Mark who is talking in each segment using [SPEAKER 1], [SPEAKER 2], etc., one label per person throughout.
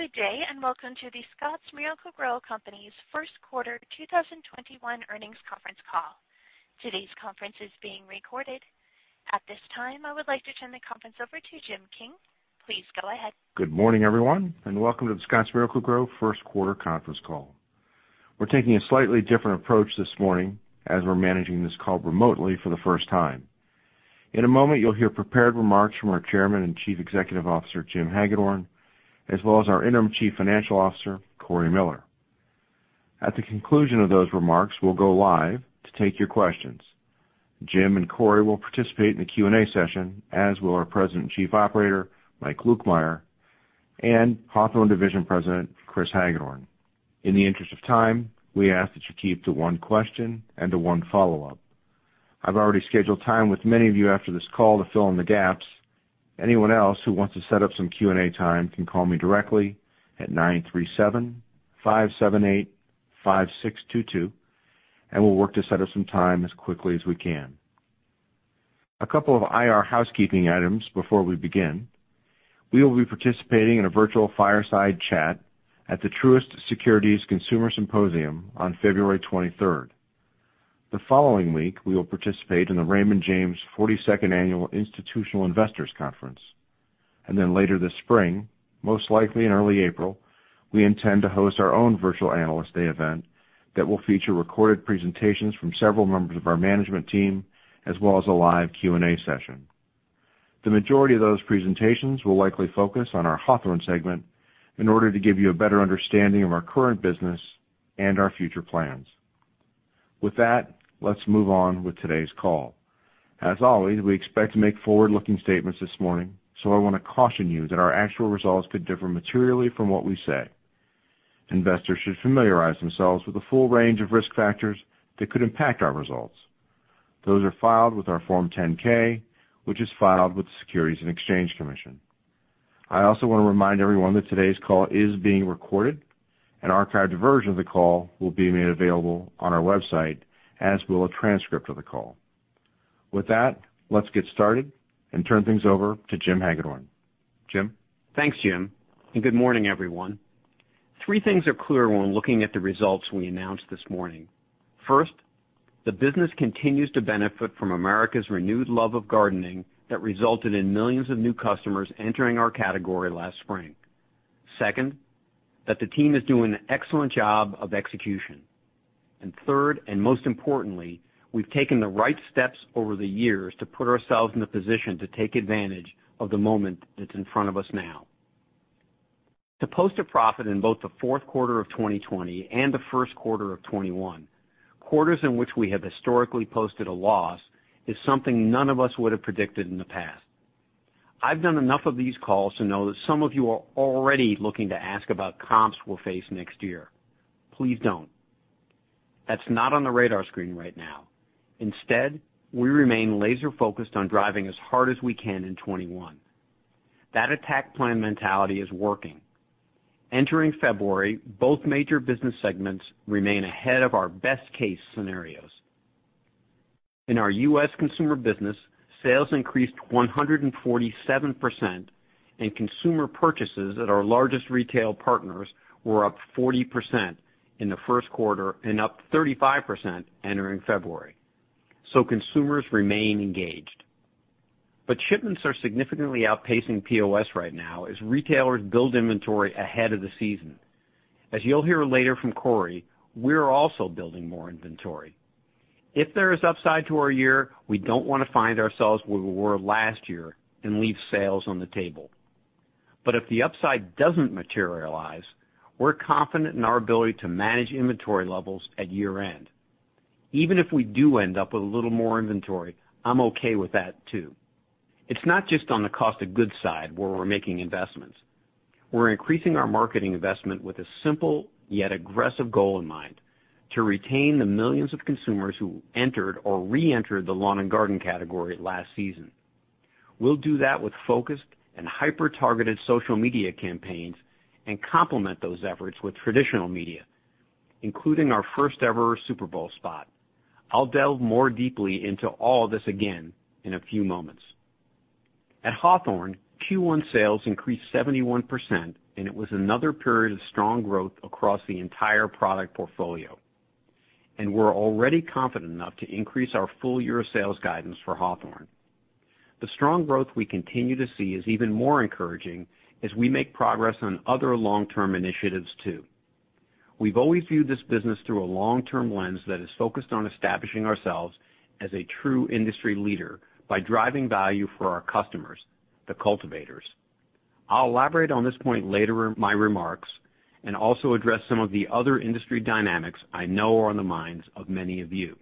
[SPEAKER 1] Good day, welcome to The Scotts Miracle-Gro Company's first quarter 2021 earnings conference call. Today's conference is being recorded. At this time, I would like to turn the conference over to Jim King. Please go ahead.
[SPEAKER 2] Good morning, everyone, welcome to the Scotts Miracle-Gro first quarter conference call. We're taking a slightly different approach this morning as we're managing this call remotely for the first time. In a moment, you'll hear prepared remarks from our Chairman and Chief Executive Officer, Jim Hagedorn, as well as our Interim Chief Financial Officer, Cory Miller. At the conclusion of those remarks, we'll go live to take your questions. Jim and Cory will participate in the Q&A session, as will our President and Chief Operating Officer, Mike Lukemire, and Hawthorne Division President, Chris Hagedorn. In the interest of time, we ask that you keep to one question and to one follow-up. I've already scheduled time with many of you after this call to fill in the gaps. Anyone else who wants to set up some Q&A time can call me directly at nine, three, seven, five, seven, eight, five, six, two, two. We'll work to set up some time as quickly as we can. A couple of IR housekeeping items before we begin. We will be participating in a virtual fireside chat at the Truist Securities Consumer Symposium on February 23rd. The following week, we will participate in the Raymond James 42nd Annual Institutional Investors Conference. Later this spring, most likely in early April, we intend to host our own virtual Analyst Day event that will feature recorded presentations from several members of our management team, as well as a live Q&A session. The majority of those presentations will likely focus on our Hawthorne segment in order to give you a better understanding of our current business and our future plans. With that, let's move on with today's call. As always, we expect to make forward-looking statements this morning, so I want to caution you that our actual results could differ materially from what we say. Investors should familiarize themselves with the full range of risk factors that could impact our results. Those are filed with our Form 10-K, which is filed with the Securities and Exchange Commission. I also want to remind everyone that today's call is being recorded. An archived version of the call will be made available on our website, as will a transcript of the call. With that, let's get started and turn things over to Jim Hagedorn. Jim?
[SPEAKER 3] Thanks, Jim. Good morning, everyone. Three things are clear when looking at the results we announced this morning. First, the business continues to benefit from America's renewed love of gardening that resulted in millions of new customers entering our category last spring. Second, that the team is doing an excellent job of execution. Third, and most importantly, we've taken the right steps over the years to put ourselves in the position to take advantage of the moment that's in front of us now. To post a profit in both the fourth quarter of 2020 and the first quarter of 2021, quarters in which we have historically posted a loss, is something none of us would have predicted in the past. I've done enough of these calls to know that some of you are already looking to ask about comps we'll face next year. Please don't. That's not on the radar screen right now. We remain laser-focused on driving as hard as we can in 2021. That attack plan mentality is working. Entering February, both major business segments remain ahead of our best case scenarios. In our U.S. consumer business, sales increased 147%, and consumer purchases at our largest retail partners were up 40% in the first quarter and up 35% entering February. Consumers remain engaged. Shipments are significantly outpacing POS right now as retailers build inventory ahead of the season. As you'll hear later from Cory, we're also building more inventory. If there is upside to our year, we don't want to find ourselves where we were last year and leave sales on the table. If the upside doesn't materialize, we're confident in our ability to manage inventory levels at year-end. Even if we do end up with a little more inventory, I'm okay with that, too. It's not just on the cost of goods side where we're making investments. We're increasing our marketing investment with a simple, yet aggressive goal in mind: to retain the millions of consumers who entered or reentered the lawn and garden category last season. We'll do that with focused and hyper-targeted social media campaigns and complement those efforts with traditional media, including our first ever Super Bowl spot. I'll delve more deeply into all this again in a few moments. At Hawthorne, Q1 sales increased 71%, and it was another period of strong growth across the entire product portfolio. We're already confident enough to increase our full year sales guidance for Hawthorne. The strong growth we continue to see is even more encouraging as we make progress on other long-term initiatives, too. We've always viewed this business through a long-term lens that is focused on establishing ourselves as a true industry leader by driving value for our customers, the cultivators. I'll elaborate on this point later in my remarks and also address some of the other industry dynamics I know are on the minds of many of you.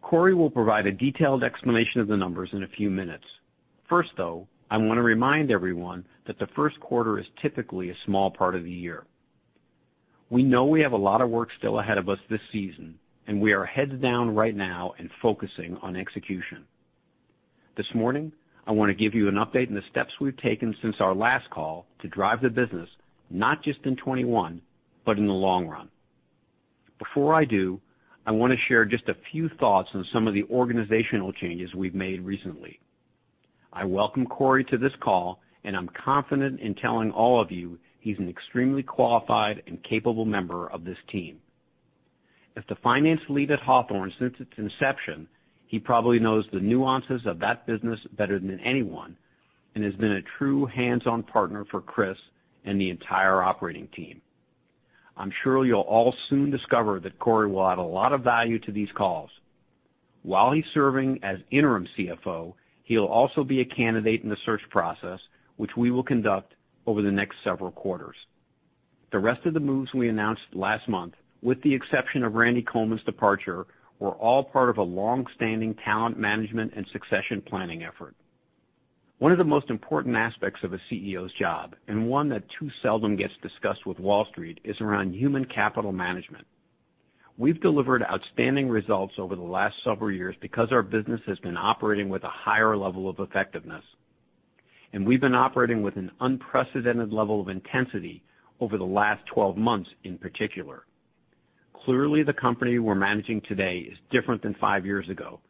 [SPEAKER 3] Cory will provide a detailed explanation of the numbers in a few minutes. First, though, I want to remind everyone that the first quarter is typically a small part of the year. We know we have a lot of work still ahead of us this season, and we are heads down right now and focusing on execution. This morning, I want to give you an update on the steps we've taken since our last call to drive the business not just in 2021, but in the long run. Before I do, I want to share just a few thoughts on some of the organizational changes we've made recently. I welcome Cory to this call. I'm confident in telling all of you he's an extremely qualified and capable member of this team. As the finance lead at Hawthorne since its inception, he probably knows the nuances of that business better than anyone and has been a true hands-on partner for Chris and the entire operating team. I'm sure you'll all soon discover that Cory will add a lot of value to these calls. While he's serving as interim CFO, he'll also be a candidate in the search process, which we will conduct over the next several quarters. The rest of the moves we announced last month, with the exception of Randy Coleman's departure, were all part of a long-standing talent management and succession planning effort. One of the most important aspects of a CEO's job, and one that too seldom gets discussed with Wall Street, is around human capital management. We've delivered outstanding results over the last several years because our business has been operating with a higher level of effectiveness, and we've been operating with an unprecedented level of intensity over the last 12 months in particular. Clearly, the company we're managing today is different than five years ago,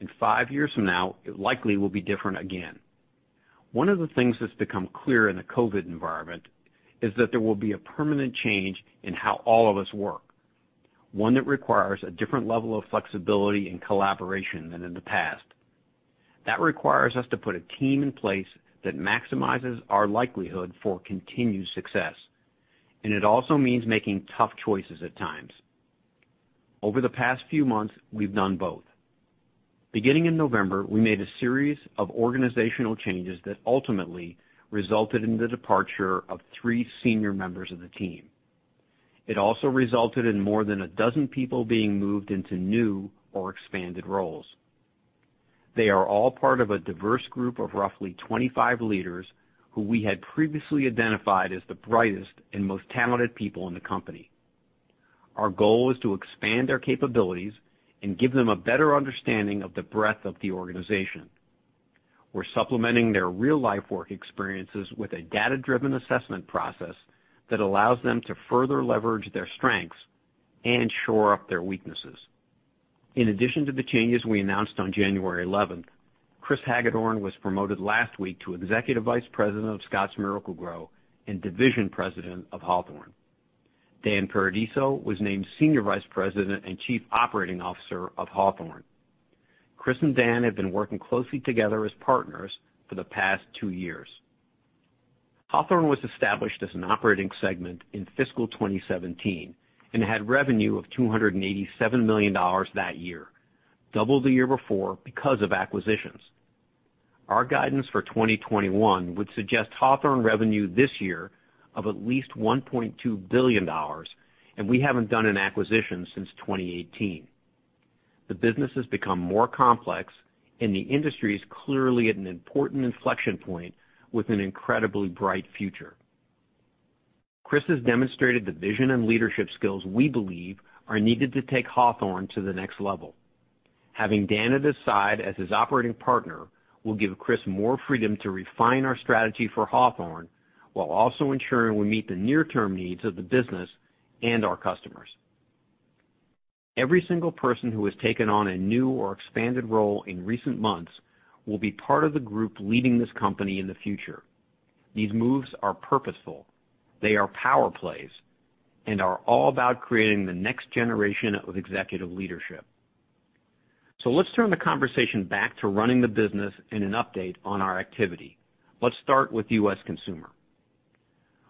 [SPEAKER 3] and five years from now, it likely will be different again. One of the things that's become clear in the COVID environment is that there will be a permanent change in how all of us work, one that requires a different level of flexibility and collaboration than in the past. That requires us to put a team in place that maximizes our likelihood for continued success, and it also means making tough choices at times. Over the past few months, we've done both. Beginning in November, we made a series of organizational changes that ultimately resulted in the departure of three senior members of the team. It also resulted in more than a dozen people being moved into new or expanded roles. They are all part of a diverse group of roughly 25 leaders who we had previously identified as the brightest and most talented people in the company. Our goal is to expand their capabilities and give them a better understanding of the breadth of the organization. We're supplementing their real-life work experiences with a data-driven assessment process that allows them to further leverage their strengths and shore up their weaknesses. In addition to the changes we announced on January 11th, Chris Hagedorn was promoted last week to Executive Vice President of Scotts Miracle-Gro and Division President of Hawthorne. Dan Paradiso was named Senior Vice President and Chief Operating Officer of Hawthorne. Chris and Dan have been working closely together as partners for the past two years. Hawthorne was established as an operating segment in fiscal 2017 and had revenue of $287 million that year, double the year before because of acquisitions. Our guidance for 2021 would suggest Hawthorne revenue this year of at least $1.2 billion, and we haven't done an acquisition since 2018. The business has become more complex. The industry is clearly at an important inflection point with an incredibly bright future. Chris has demonstrated the vision and leadership skills we believe are needed to take Hawthorne to the next level. Having Dan at his side as his operating partner will give Chris more freedom to refine our strategy for Hawthorne, while also ensuring we meet the near-term needs of the business and our customers. Every single person who has taken on a new or expanded role in recent months will be part of the group leading this company in the future. These moves are purposeful. They are power plays and are all about creating the next generation of executive leadership. Let's turn the conversation back to running the business and an update on our activity. Let's start with U.S. consumer.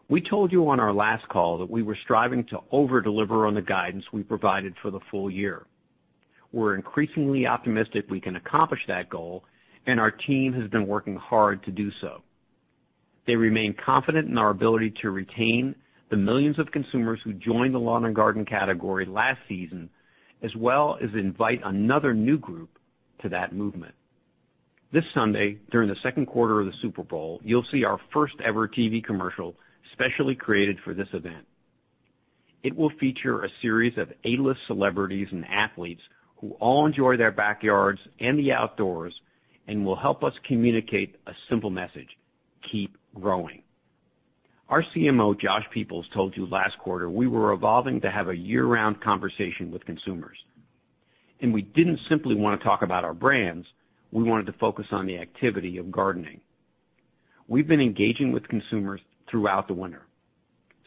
[SPEAKER 3] We told you on our last call that we were striving to over-deliver on the guidance we provided for the full year. We're increasingly optimistic we can accomplish that goal, and our team has been working hard to do so. They remain confident in our ability to retain the millions of consumers who joined the lawn and garden category last season, as well as invite another new group to that movement. This Sunday, during the second quarter of the Super Bowl, you'll see our first-ever TV commercial specially created for this event. It will feature a series of A-list celebrities and athletes who all enjoy their backyards and the outdoors and will help us communicate a simple message: keep growing. Our CMO, Josh Peoples, told you last quarter we were evolving to have a year-round conversation with consumers, and we didn't simply want to talk about our brands. We wanted to focus on the activity of gardening. We've been engaging with consumers throughout the winter,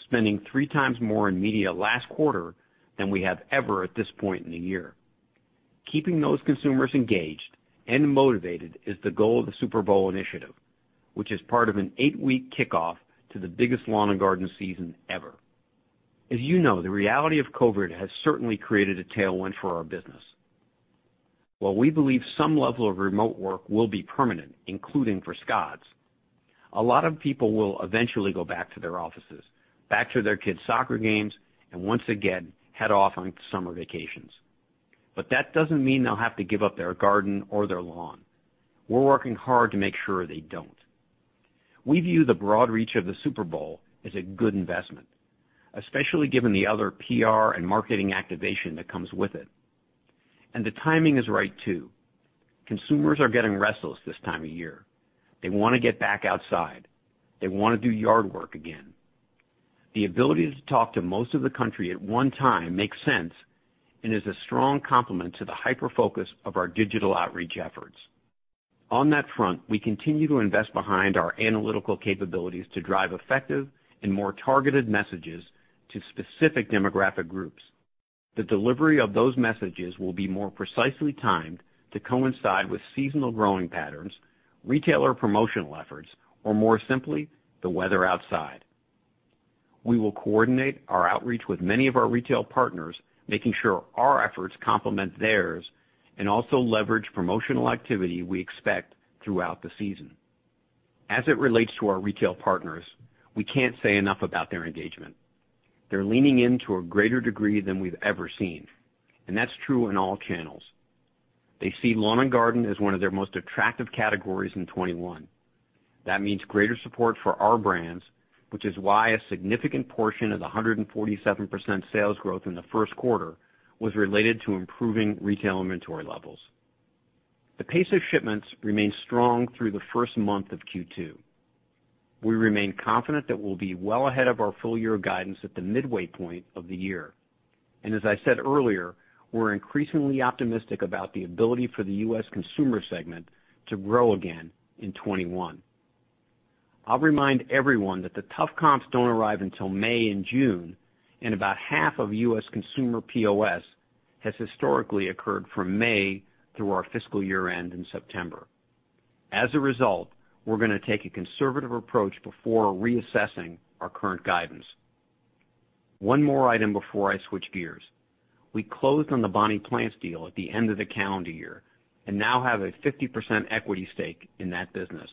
[SPEAKER 3] spending three times more in media last quarter than we have ever at this point in the year. Keeping those consumers engaged and motivated is the goal of the Super Bowl initiative, which is part of an eight-week kickoff to the biggest lawn and garden season ever. As you know, the reality of COVID has certainly created a tailwind for our business. While we believe some level of remote work will be permanent, including for Scotts, a lot of people will eventually go back to their offices, back to their kids' soccer games, and once again, head off on summer vacations. That doesn't mean they'll have to give up their garden or their lawn. We're working hard to make sure they don't. We view the broad reach of the Super Bowl as a good investment, especially given the other PR and marketing activation that comes with it. The timing is right too. Consumers are getting restless this time of year. They want to get back outside. They want to do yard work again. The ability to talk to most of the country at one time makes sense and is a strong complement to the hyper-focus of our digital outreach efforts. On that front, we continue to invest behind our analytical capabilities to drive effective and more targeted messages to specific demographic groups. The delivery of those messages will be more precisely timed to coincide with seasonal growing patterns, retailer promotional efforts, or more simply, the weather outside. We will coordinate our outreach with many of our retail partners, making sure our efforts complement theirs, and also leverage promotional activity we expect throughout the season. As it relates to our retail partners, we can't say enough about their engagement. They're leaning in to a greater degree than we've ever seen, and that's true in all channels. They see lawn and garden as one of their most attractive categories in 2021. That means greater support for our brands, which is why a significant portion of the 147% sales growth in the first quarter was related to improving retail inventory levels. The pace of shipments remains strong through the first month of Q2. We remain confident that we'll be well ahead of our full-year guidance at the midway point of the year. As I said earlier, we're increasingly optimistic about the ability for the U.S. consumer segment to grow again in 2021. I'll remind everyone that the tough comps don't arrive until May and June, and about half of U.S. consumer POS has historically occurred from May through our fiscal year-end in September. As a result, we're going to take a conservative approach before reassessing our current guidance. One more item before I switch gears. We closed on the Bonnie Plants deal at the end of the calendar year and now have a 50% equity stake in that business.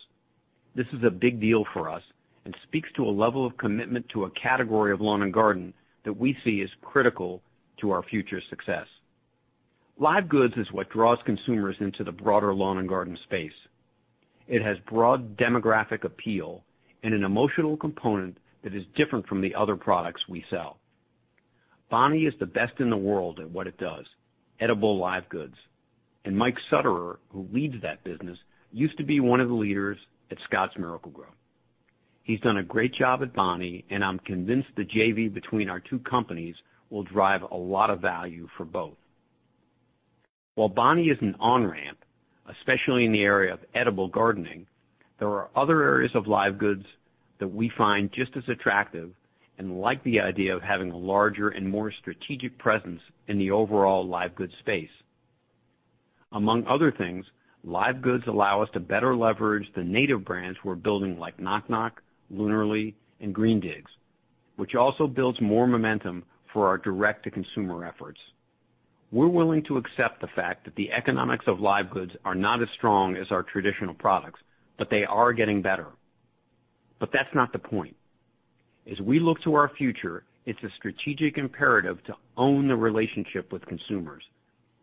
[SPEAKER 3] This is a big deal for us and speaks to a level of commitment to a category of lawn and garden that we see as critical to our future success. Live goods is what draws consumers into the broader lawn and garden space. It has broad demographic appeal and an emotional component that is different from the other products we sell. Bonnie is the best in the world at what it does, edible live goods. Mike Sutterer, who leads that business, used to be one of the leaders at Scotts Miracle-Gro. He's done a great job at Bonnie, and I'm convinced the JV between our two companies will drive a lot of value for both. While Bonnie is an on ramp, especially in the area of edible gardening, there are other areas of live goods that we find just as attractive and like the idea of having a larger and more strategic presence in the overall live goods space. Among other things, live goods allow us to better leverage the native brands we're building, like Knock! Knock!, Lunarly, and Greendigs, which also builds more momentum for our direct-to-consumer efforts. We're willing to accept the fact that the economics of live goods are not as strong as our traditional products, but they are getting better. That's not the point. As we look to our future, it's a strategic imperative to own the relationship with consumers.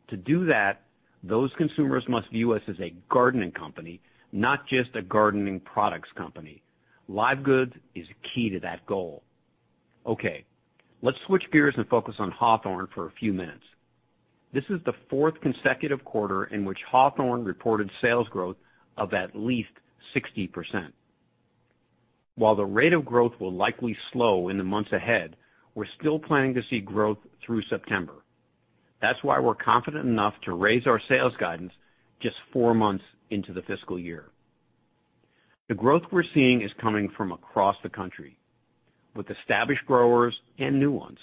[SPEAKER 3] To do that, those consumers must view us as a gardening company, not just a gardening products company. Live goods is key to that goal. Okay. Let's switch gears and focus on Hawthorne for a few minutes. This is the fourth consecutive quarter in which Hawthorne reported sales growth of at least 60%. While the rate of growth will likely slow in the months ahead, we're still planning to see growth through September. That's why we're confident enough to raise our sales guidance just four months into the fiscal year. The growth we're seeing is coming from across the country with established growers and new ones.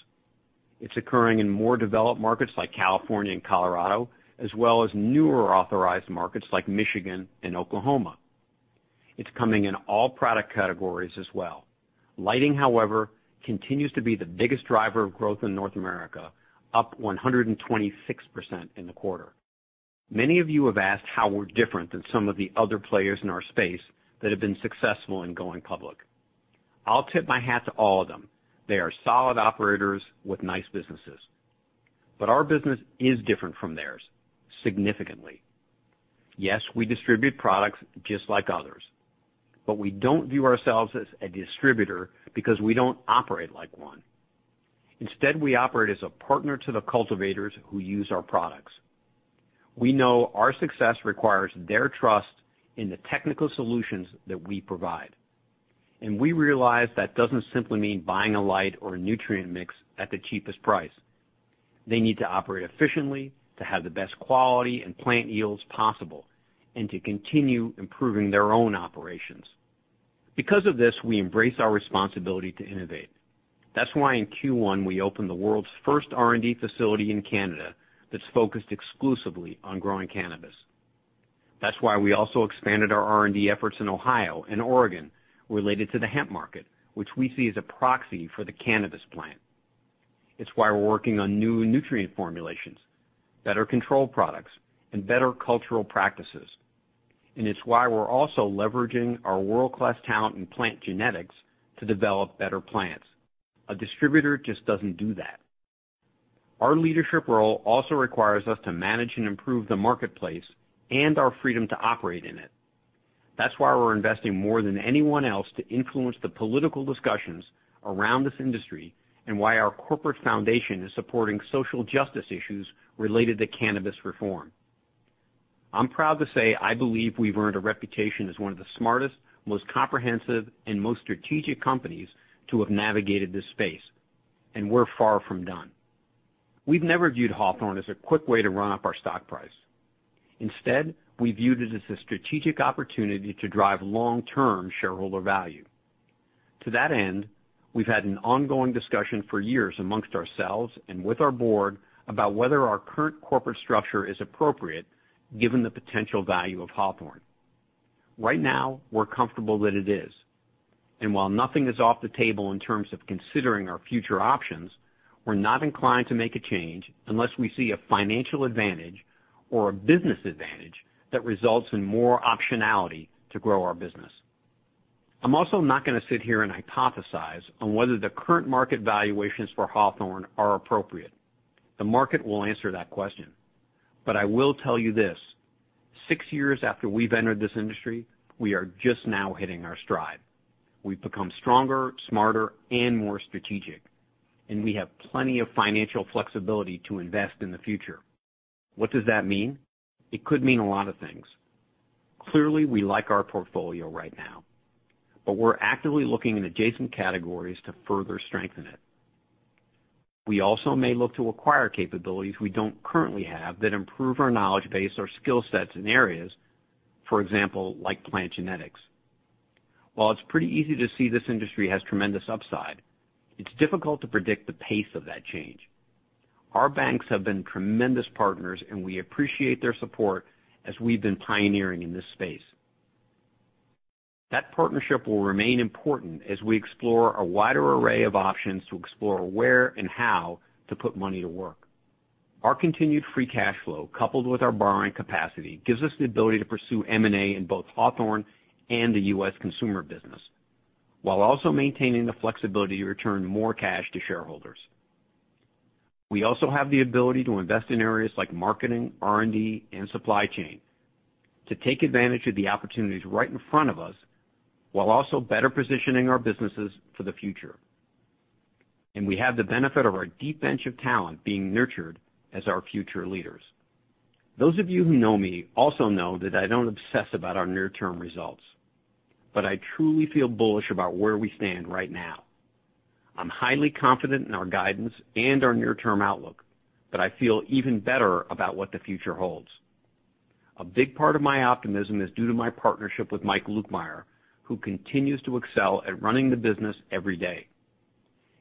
[SPEAKER 3] It's occurring in more developed markets like California and Colorado, as well as newer authorized markets like Michigan and Oklahoma. It's coming in all product categories as well. Lighting, however, continues to be the biggest driver of growth in North America, up 126% in the quarter. Many of you have asked how we're different than some of the other players in our space that have been successful in going public. I'll tip my hat to all of them. They are solid operators with nice businesses. Our business is different from theirs, significantly. Yes, we distribute products just like others, but we don't view ourselves as a distributor because we don't operate like one. Instead, we operate as a partner to the cultivators who use our products. We know our success requires their trust in the technical solutions that we provide. We realize that doesn't simply mean buying a light or a nutrient mix at the cheapest price. They need to operate efficiently to have the best quality and plant yields possible and to continue improving their own operations. Because of this, we embrace our responsibility to innovate. In Q1, we opened the world's first R&D facility in Canada that's focused exclusively on growing cannabis. We also expanded our R&D efforts in Ohio and Oregon related to the hemp market, which we see as a proxy for the cannabis plant. We're working on new nutrient formulations, better control products, and better cultural practices. We're also leveraging our world-class talent in plant genetics to develop better plants. A distributor just doesn't do that. Our leadership role also requires us to manage and improve the marketplace and our freedom to operate in it. That's why we're investing more than anyone else to influence the political discussions around this industry and why our corporate foundation is supporting social justice issues related to cannabis reform. I'm proud to say I believe we've earned a reputation as one of the smartest, most comprehensive, and most strategic companies to have navigated this space, and we're far from done. We've never viewed Hawthorne as a quick way to run up our stock price. Instead, we viewed it as a strategic opportunity to drive long-term shareholder value. To that end, we've had an ongoing discussion for years amongst ourselves and with our board about whether our current corporate structure is appropriate given the potential value of Hawthorne. Right now, we're comfortable that it is. While nothing is off the table in terms of considering our future options, we're not inclined to make a change unless we see a financial advantage or a business advantage that results in more optionality to grow our business. I'm also not gonna sit here and hypothesize on whether the current market valuations for Hawthorne are appropriate. The market will answer that question. I will tell you this: six years after we've entered this industry, we are just now hitting our stride. We've become stronger, smarter, and more strategic, and we have plenty of financial flexibility to invest in the future. What does that mean? It could mean a lot of things. Clearly, we like our portfolio right now, but we're actively looking in adjacent categories to further strengthen it. We also may look to acquire capabilities we don't currently have that improve our knowledge base or skill sets in areas, for example, like plant genetics. While it's pretty easy to see this industry has tremendous upside, it's difficult to predict the pace of that change. Our banks have been tremendous partners, and we appreciate their support as we've been pioneering in this space. That partnership will remain important as we explore a wider array of options to explore where and how to put money to work. Our continued free cash flow, coupled with our borrowing capacity, gives us the ability to pursue M&A in both Hawthorne and the U.S. consumer business while also maintaining the flexibility to return more cash to shareholders. We also have the ability to invest in areas like marketing, R&D, and supply chain to take advantage of the opportunities right in front of us while also better positioning our businesses for the future. We have the benefit of our deep bench of talent being nurtured as our future leaders. Those of you who know me also know that I don't obsess about our near-term results. I truly feel bullish about where we stand right now. I'm highly confident in our guidance and our near-term outlook. I feel even better about what the future holds. A big part of my optimism is due to my partnership with Mike Lukemire, who continues to excel at running the business every day.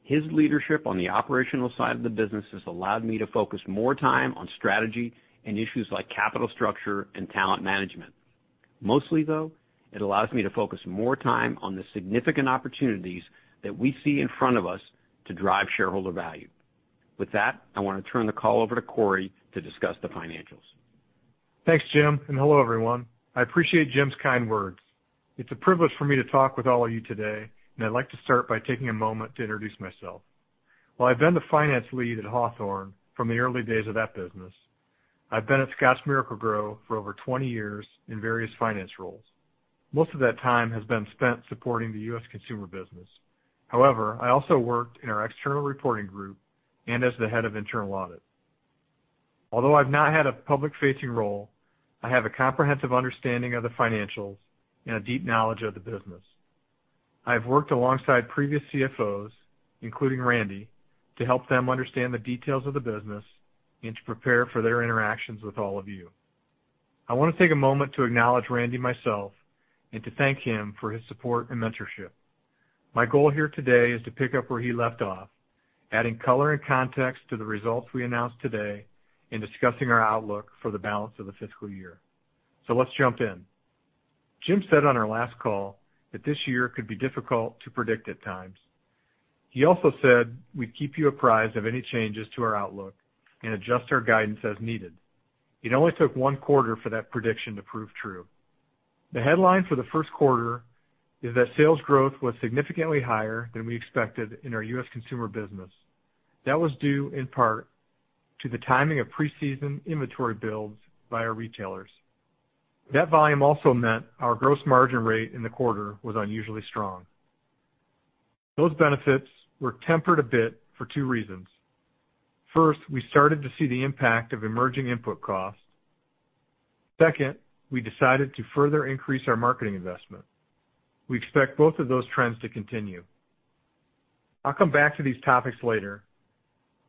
[SPEAKER 3] His leadership on the operational side of the business has allowed me to focus more time on strategy and issues like capital structure and talent management. Mostly, though, it allows me to focus more time on the significant opportunities that we see in front of us to drive shareholder value. With that, I want to turn the call over to Cory to discuss the financials.
[SPEAKER 4] Thanks, Jim, and hello, everyone. I appreciate Jim's kind words. It's a privilege for me to talk with all of you today, and I'd like to start by taking a moment to introduce myself. While I've been the finance lead at Hawthorne from the early days of that business, I've been at Scotts Miracle-Gro for over 20 years in various finance roles. Most of that time has been spent supporting the U.S. consumer business. However, I also worked in our external reporting group and as the head of internal audit. Although I've not had a public-facing role, I have a comprehensive understanding of the financials and a deep knowledge of the business. I have worked alongside previous CFOs, including Randy, to help them understand the details of the business and to prepare for their interactions with all of you. I want to take a moment to acknowledge Randy myself and to thank him for his support and mentorship. My goal here today is to pick up where he left off, adding color and context to the results we announced today in discussing our outlook for the balance of the fiscal year. Let's jump in. Jim said on our last call that this year could be difficult to predict at times. He also said we'd keep you apprised of any changes to our outlook and adjust our guidance as needed. It only took one quarter for that prediction to prove true. The headline for the first quarter is that sales growth was significantly higher than we expected in our U.S. consumer business. That was due in part to the timing of pre-season inventory builds by our retailers. That volume also meant our gross margin rate in the quarter was unusually strong. Those benefits were tempered a bit for two reasons. First, we started to see the impact of emerging input costs. Second, we decided to further increase our marketing investment. We expect both of those trends to continue. I'll come back to these topics later.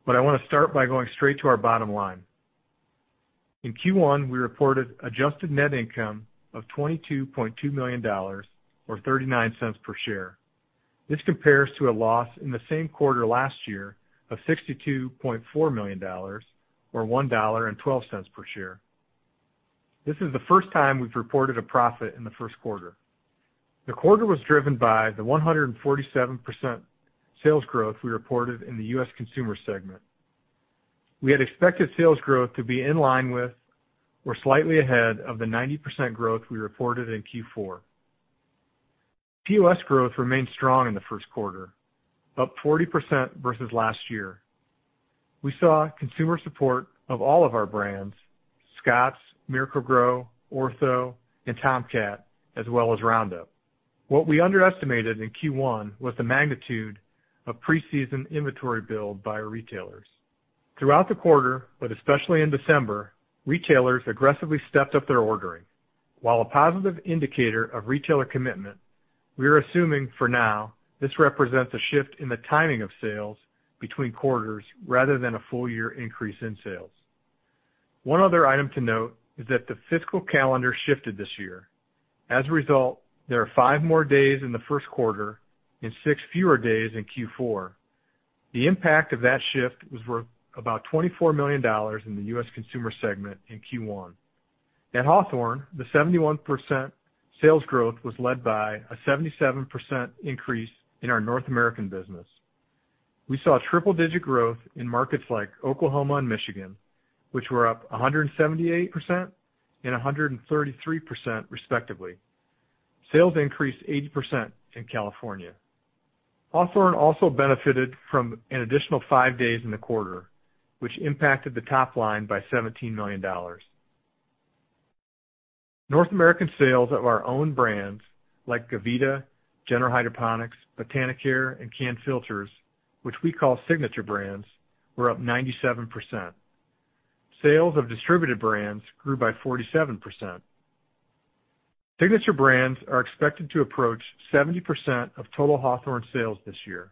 [SPEAKER 4] I want to start by going straight to our bottom line. In Q1, we reported adjusted net income of $22.2 million, or $0.39 per share. This compares to a loss in the same quarter last year of $62.4 million, or $1.12 per share. This is the first time we've reported a profit in the first quarter. The quarter was driven by the 147% sales growth we reported in the U.S. consumer segment. We had expected sales growth to be in line with or slightly ahead of the 90% growth we reported in Q4. POS growth remained strong in the first quarter, up 40% versus last year. We saw consumer support of all of our brands, Scotts, Miracle-Gro, Ortho, and Tomcat, as well as Roundup. What we underestimated in Q1 was the magnitude of pre-season inventory build by our retailers. Throughout the quarter, especially in December, retailers aggressively stepped up their ordering. While a positive indicator of retailer commitment, we are assuming for now this represents a shift in the timing of sales between quarters rather than a full year increase in sales. One other item to note is that the fiscal calendar shifted this year. As a result, there are five more days in the first quarter and six fewer days in Q4. The impact of that shift was worth about $24 million in the U.S. consumer segment in Q1. At Hawthorne, the 71% sales growth was led by a 77% increase in our North American business. We saw triple-digit growth in markets like Oklahoma and Michigan, which were up 178% and 133% respectively. Sales increased 80% in California. Hawthorne also benefited from an additional five days in the quarter, which impacted the top line by $17 million. North American sales of our own brands like Gavita, General Hydroponics, Botanicare, and Can-Filters, which we call signature brands, were up 97%. Sales of distributed brands grew by 47%. Signature brands are expected to approach 70% of total Hawthorne sales this year.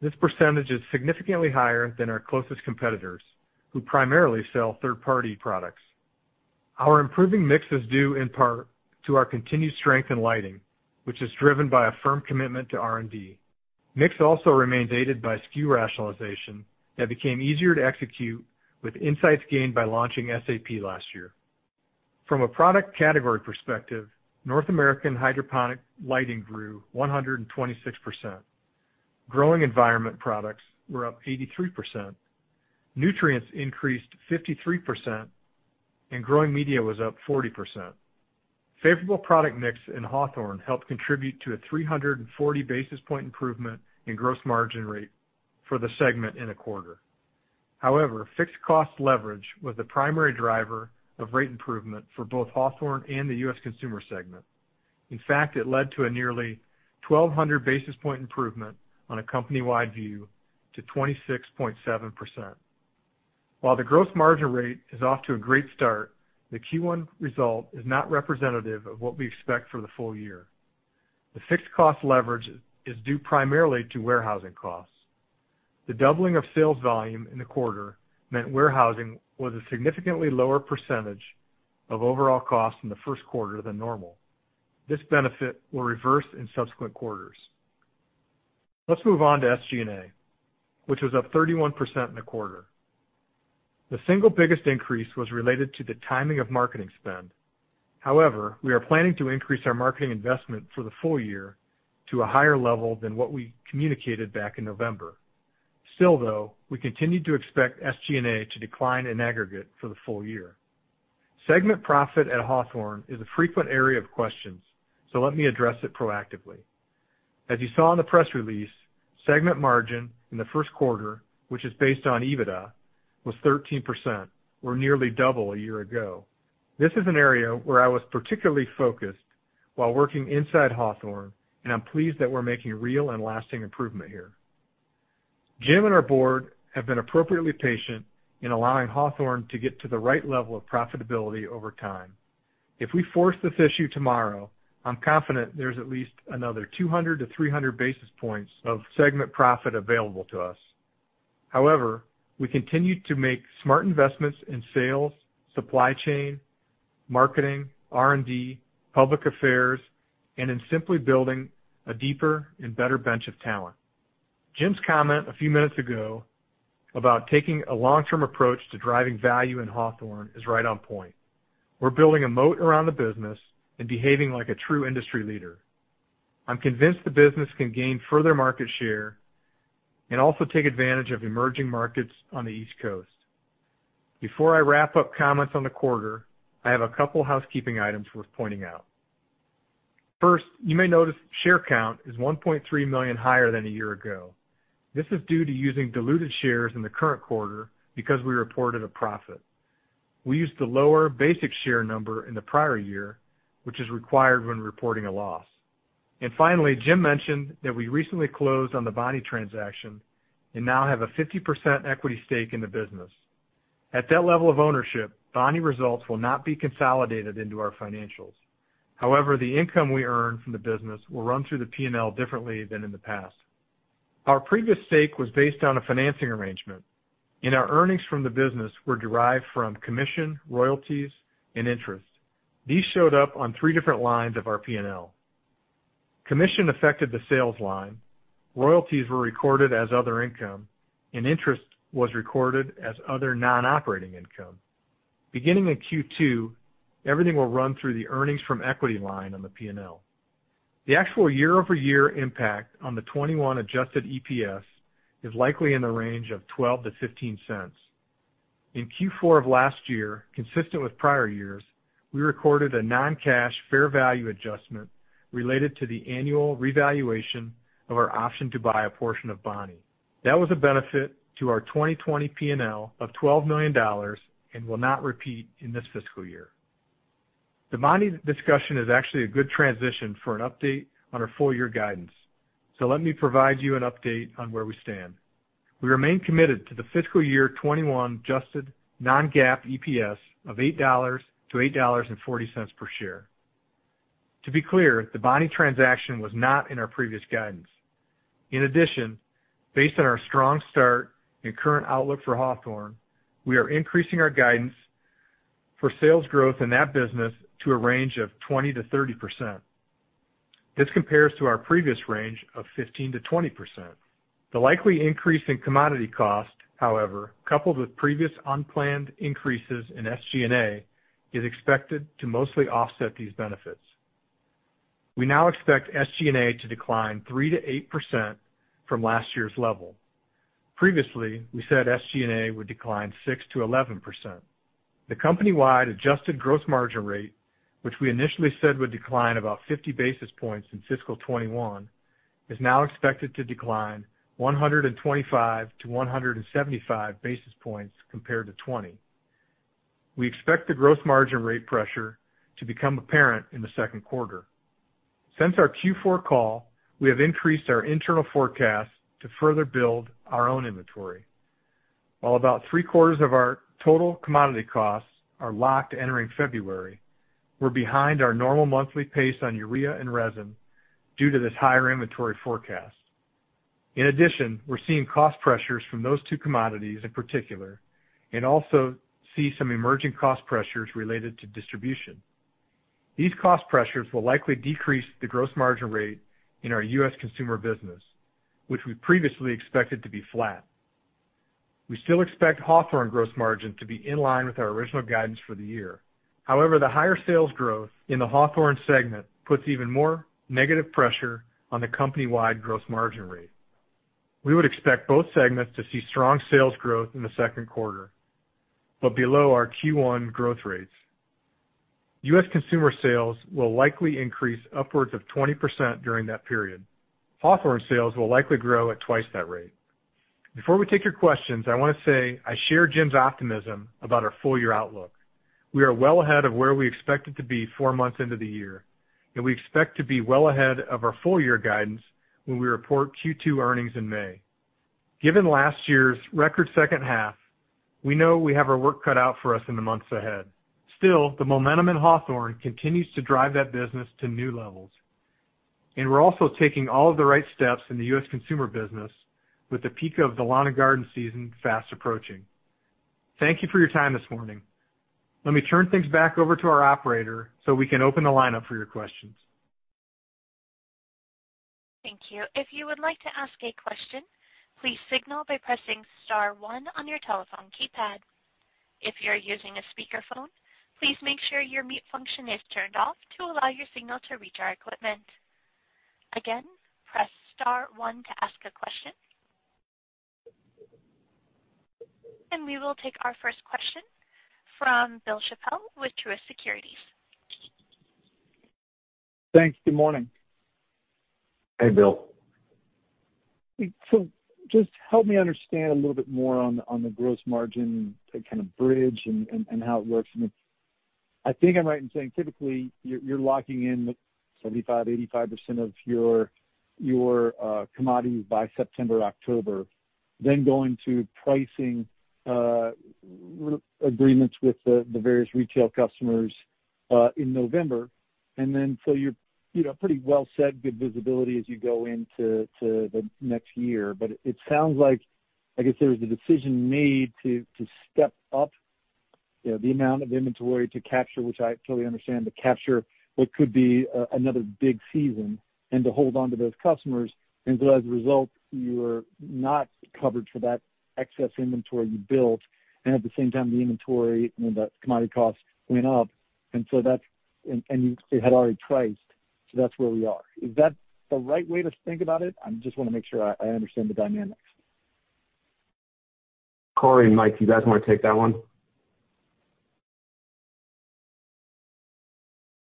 [SPEAKER 4] This percentage is significantly higher than our closest competitors, who primarily sell third-party products. Our improving mix is due in part to our continued strength in lighting, which is driven by a firm commitment to R&D. Mix also remains aided by SKU rationalization that became easier to execute with insights gained by launching SAP last year. From a product category perspective, North American hydroponic lighting grew 126%. Growing environment products were up 83%. Nutrients increased 53%, and growing media was up 40%. Favorable product mix in Hawthorne helped contribute to a 340 basis point improvement in gross margin rate for the segment in a quarter. Fixed cost leverage was the primary driver of rate improvement for both Hawthorne and the U.S. consumer segment. In fact, it led to a nearly 1,200 basis point improvement on a company-wide view to 26.7%. While the gross margin rate is off to a great start, the Q1 result is not representative of what we expect for the full year. The fixed cost leverage is due primarily to warehousing costs. The doubling of sales volume in the quarter meant warehousing was a significantly lower percentage of overall costs in the first quarter than normal. This benefit will reverse in subsequent quarters. Let's move on to SG&A, which was up 31% in the quarter. The single biggest increase was related to the timing of marketing spend. We are planning to increase our marketing investment for the full year to a higher level than what we communicated back in November. We continue to expect SG&A to decline in aggregate for the full year. Segment profit at Hawthorne is a frequent area of questions, let me address it proactively. As you saw in the press release, segment margin in the first quarter, which is based on EBITDA, was 13%, or nearly double a year ago. This is an area where I was particularly focused while working inside Hawthorne, and I'm pleased that we're making real and lasting improvement here. Jim and our board have been appropriately patient in allowing Hawthorne to get to the right level of profitability over time. If we force this issue tomorrow, I'm confident there's at least another 200 to 300 basis points of segment profit available to us. However, we continue to make smart investments in sales, supply chain, marketing, R&D, public affairs, and in simply building a deeper and better bench of talent. Jim's comment a few minutes ago about taking a long-term approach to driving value in Hawthorne is right on point. We're building a moat around the business and behaving like a true industry leader. I'm convinced the business can gain further market share and also take advantage of emerging markets on the East Coast. Before I wrap up comments on the quarter, I have a couple housekeeping items worth pointing out. First, you may notice share count is 1.3 million higher than a year ago. This is due to using diluted shares in the current quarter because we reported a profit. We used the lower basic share number in the prior year, which is required when reporting a loss. Finally, Jim mentioned that we recently closed on the Bonnie transaction and now have a 50% equity stake in the business. At that level of ownership, Bonnie results will not be consolidated into our financials. The income we earn from the business will run through the P&L differently than in the past. Our previous stake was based on a financing arrangement, and our earnings from the business were derived from commission, royalties, and interest. These showed up on three different lines of our P&L. Commission affected the sales line, royalties were recorded as other income, and interest was recorded as other non-operating income. Beginning in Q2, everything will run through the earnings from equity line on the P&L. The actual year-over-year impact on the 2021 adjusted EPS is likely in the range of $0.12 to $0.15. In Q4 of last year, consistent with prior years, we recorded a non-cash fair value adjustment related to the annual revaluation of our option to buy a portion of Bonnie. That was a benefit to our 2020 P&L of $12 million and will not repeat in this fiscal year. The Bonnie discussion is actually a good transition for an update on our full year guidance. Let me provide you an update on where we stand. We remain committed to the fiscal year 2021 adjusted non-GAAP EPS of $8-$8.40 per share. To be clear, the Bonnie transaction was not in our previous guidance. Based on our strong start and current outlook for Hawthorne, we are increasing our guidance for sales growth in that business to a range of 20%-30%. This compares to our previous range of 15%-20%. The likely increase in commodity cost, however, coupled with previous unplanned increases in SG&A, is expected to mostly offset these benefits. We now expect SG&A to decline 3%-8% from last year's level. Previously, we said SG&A would decline 6%-11%. The company-wide adjusted gross margin rate, which we initially said would decline about 50 basis points in fiscal 2021, is now expected to decline 125-175 basis points compared to 2020. We expect the gross margin rate pressure to become apparent in the second quarter. Since our Q4 call, we have increased our internal forecast to further build our own inventory. While about three-quarters of our total commodity costs are locked entering February, we're behind our normal monthly pace on urea and resin due to this higher inventory forecast. We're seeing cost pressures from those two commodities in particular, and also see some emerging cost pressures related to distribution. These cost pressures will likely decrease the gross margin rate in our U.S. consumer business, which we previously expected to be flat. We still expect Hawthorne gross margin to be in line with our original guidance for the year. However, the higher sales growth in the Hawthorne segment puts even more negative pressure on the company-wide gross margin rate. We would expect both segments to see strong sales growth in the second quarter, but below our Q1 growth rates. U.S. consumer sales will likely increase upwards of 20% during that period. Hawthorne sales will likely grow at twice that rate. Before we take your questions, I want to say I share Jim's optimism about our full-year outlook. We are well ahead of where we expected to be four months into the year, and we expect to be well ahead of our full-year guidance when we report Q2 earnings in May. Given last year's record second half, we know we have our work cut out for us in the months ahead. Still, the momentum in Hawthorne continues to drive that business to new levels, and we're also taking all of the right steps in the U.S. consumer business with the peak of the lawn and garden season fast approaching. Thank you for your time this morning. Let me turn things back over to our operator so we can open the line up for your questions.
[SPEAKER 1] Thank you. If you would like to ask a question, please signal by pressing star one on your telephone keypad. If you're using a speakerphone, please make sure your mute function is turned off to allow your signal to reach our equipment. Again, press star one to ask a question. We will take our first question from Bill Chappell with Truist Securities.
[SPEAKER 5] Thanks. Good morning.
[SPEAKER 4] Hey, Bill.
[SPEAKER 5] Just help me understand a little bit more on the gross margin to kind of bridge and how it works. I think I'm right in saying typically, you're locking in 75%, 85% of your commodities by September, October, then going to pricing agreements with the various retail customers in November. You're pretty well set, good visibility as you go into the next year. It sounds like, I guess there was a decision made to step up the amount of inventory to capture, which I totally understand, to capture what could be another big season and to hold onto those customers. As a result, you're not covered for that excess inventory you built. At the same time, the inventory and the commodity costs went up. It had already priced. That's where we are. Is that the right way to think about it? I just want to make sure I understand the dynamics.
[SPEAKER 3] Cory and Mike, you guys want to take that one?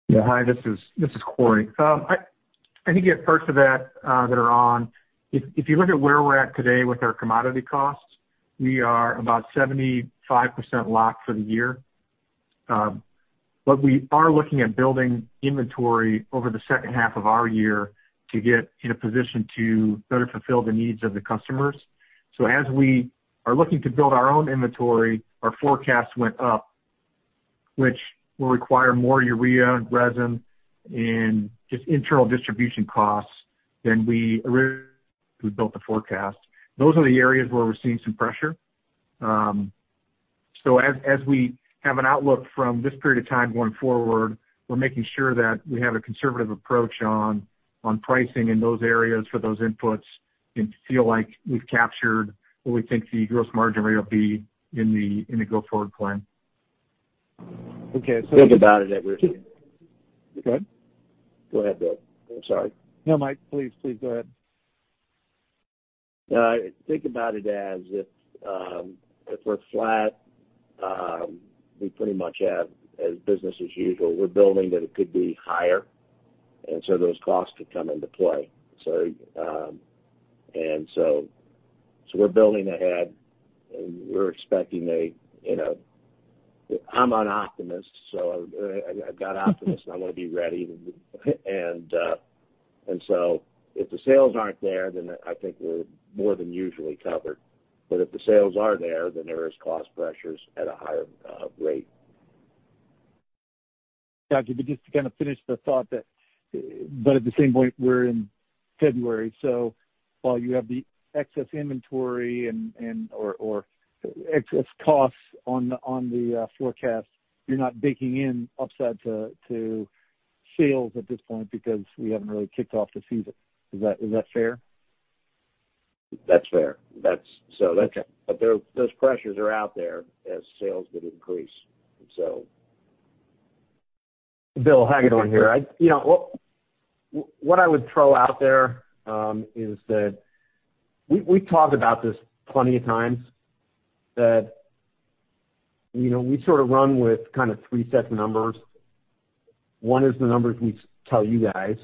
[SPEAKER 4] Yeah. Hi, this is Cory. I think at first of that are on, if you look at where we're at today with our commodity costs, we are about 75% locked for the year. We are looking at building inventory over the second half of our year to get in a position to better fulfill the needs of the customers. As we are looking to build our own inventory, our forecast went up, which will require more urea, resin, and just internal distribution costs than we originally built the forecast. Those are the areas where we're seeing some pressure. As we have an outlook from this period of time going forward, we're making sure that we have a conservative approach on pricing in those areas for those inputs and feel like we've captured what we think the gross margin rate will be in the go forward plan.
[SPEAKER 5] Okay.
[SPEAKER 6] Think about it.
[SPEAKER 5] Go ahead.
[SPEAKER 6] Go ahead, Bill. I'm sorry.
[SPEAKER 5] No, Mike, please go ahead.
[SPEAKER 6] Think about it as if we're flat, we pretty much have business as usual. We're building that it could be higher, those costs could come into play. We're building ahead. I'm an optimist, I've got optimist, I want to be ready. If the sales aren't there, I think we're more than usually covered. If the sales are there is cost pressures at a higher rate.
[SPEAKER 5] Got you. Just to kind of finish the thought, but at the same point, we're in February, so while you have the excess inventory and/or excess costs on the forecast, you're not baking in upside to sales at this point because we haven't really kicked off the season. Is that fair?
[SPEAKER 6] That's fair.
[SPEAKER 5] Okay.
[SPEAKER 6] Those pressures are out there as sales would increase.
[SPEAKER 3] Bill, Hagedorn here. What I would throw out there is that we've talked about this plenty of times, that we sort of run with kind of three sets of numbers. One is the numbers we tell you guys,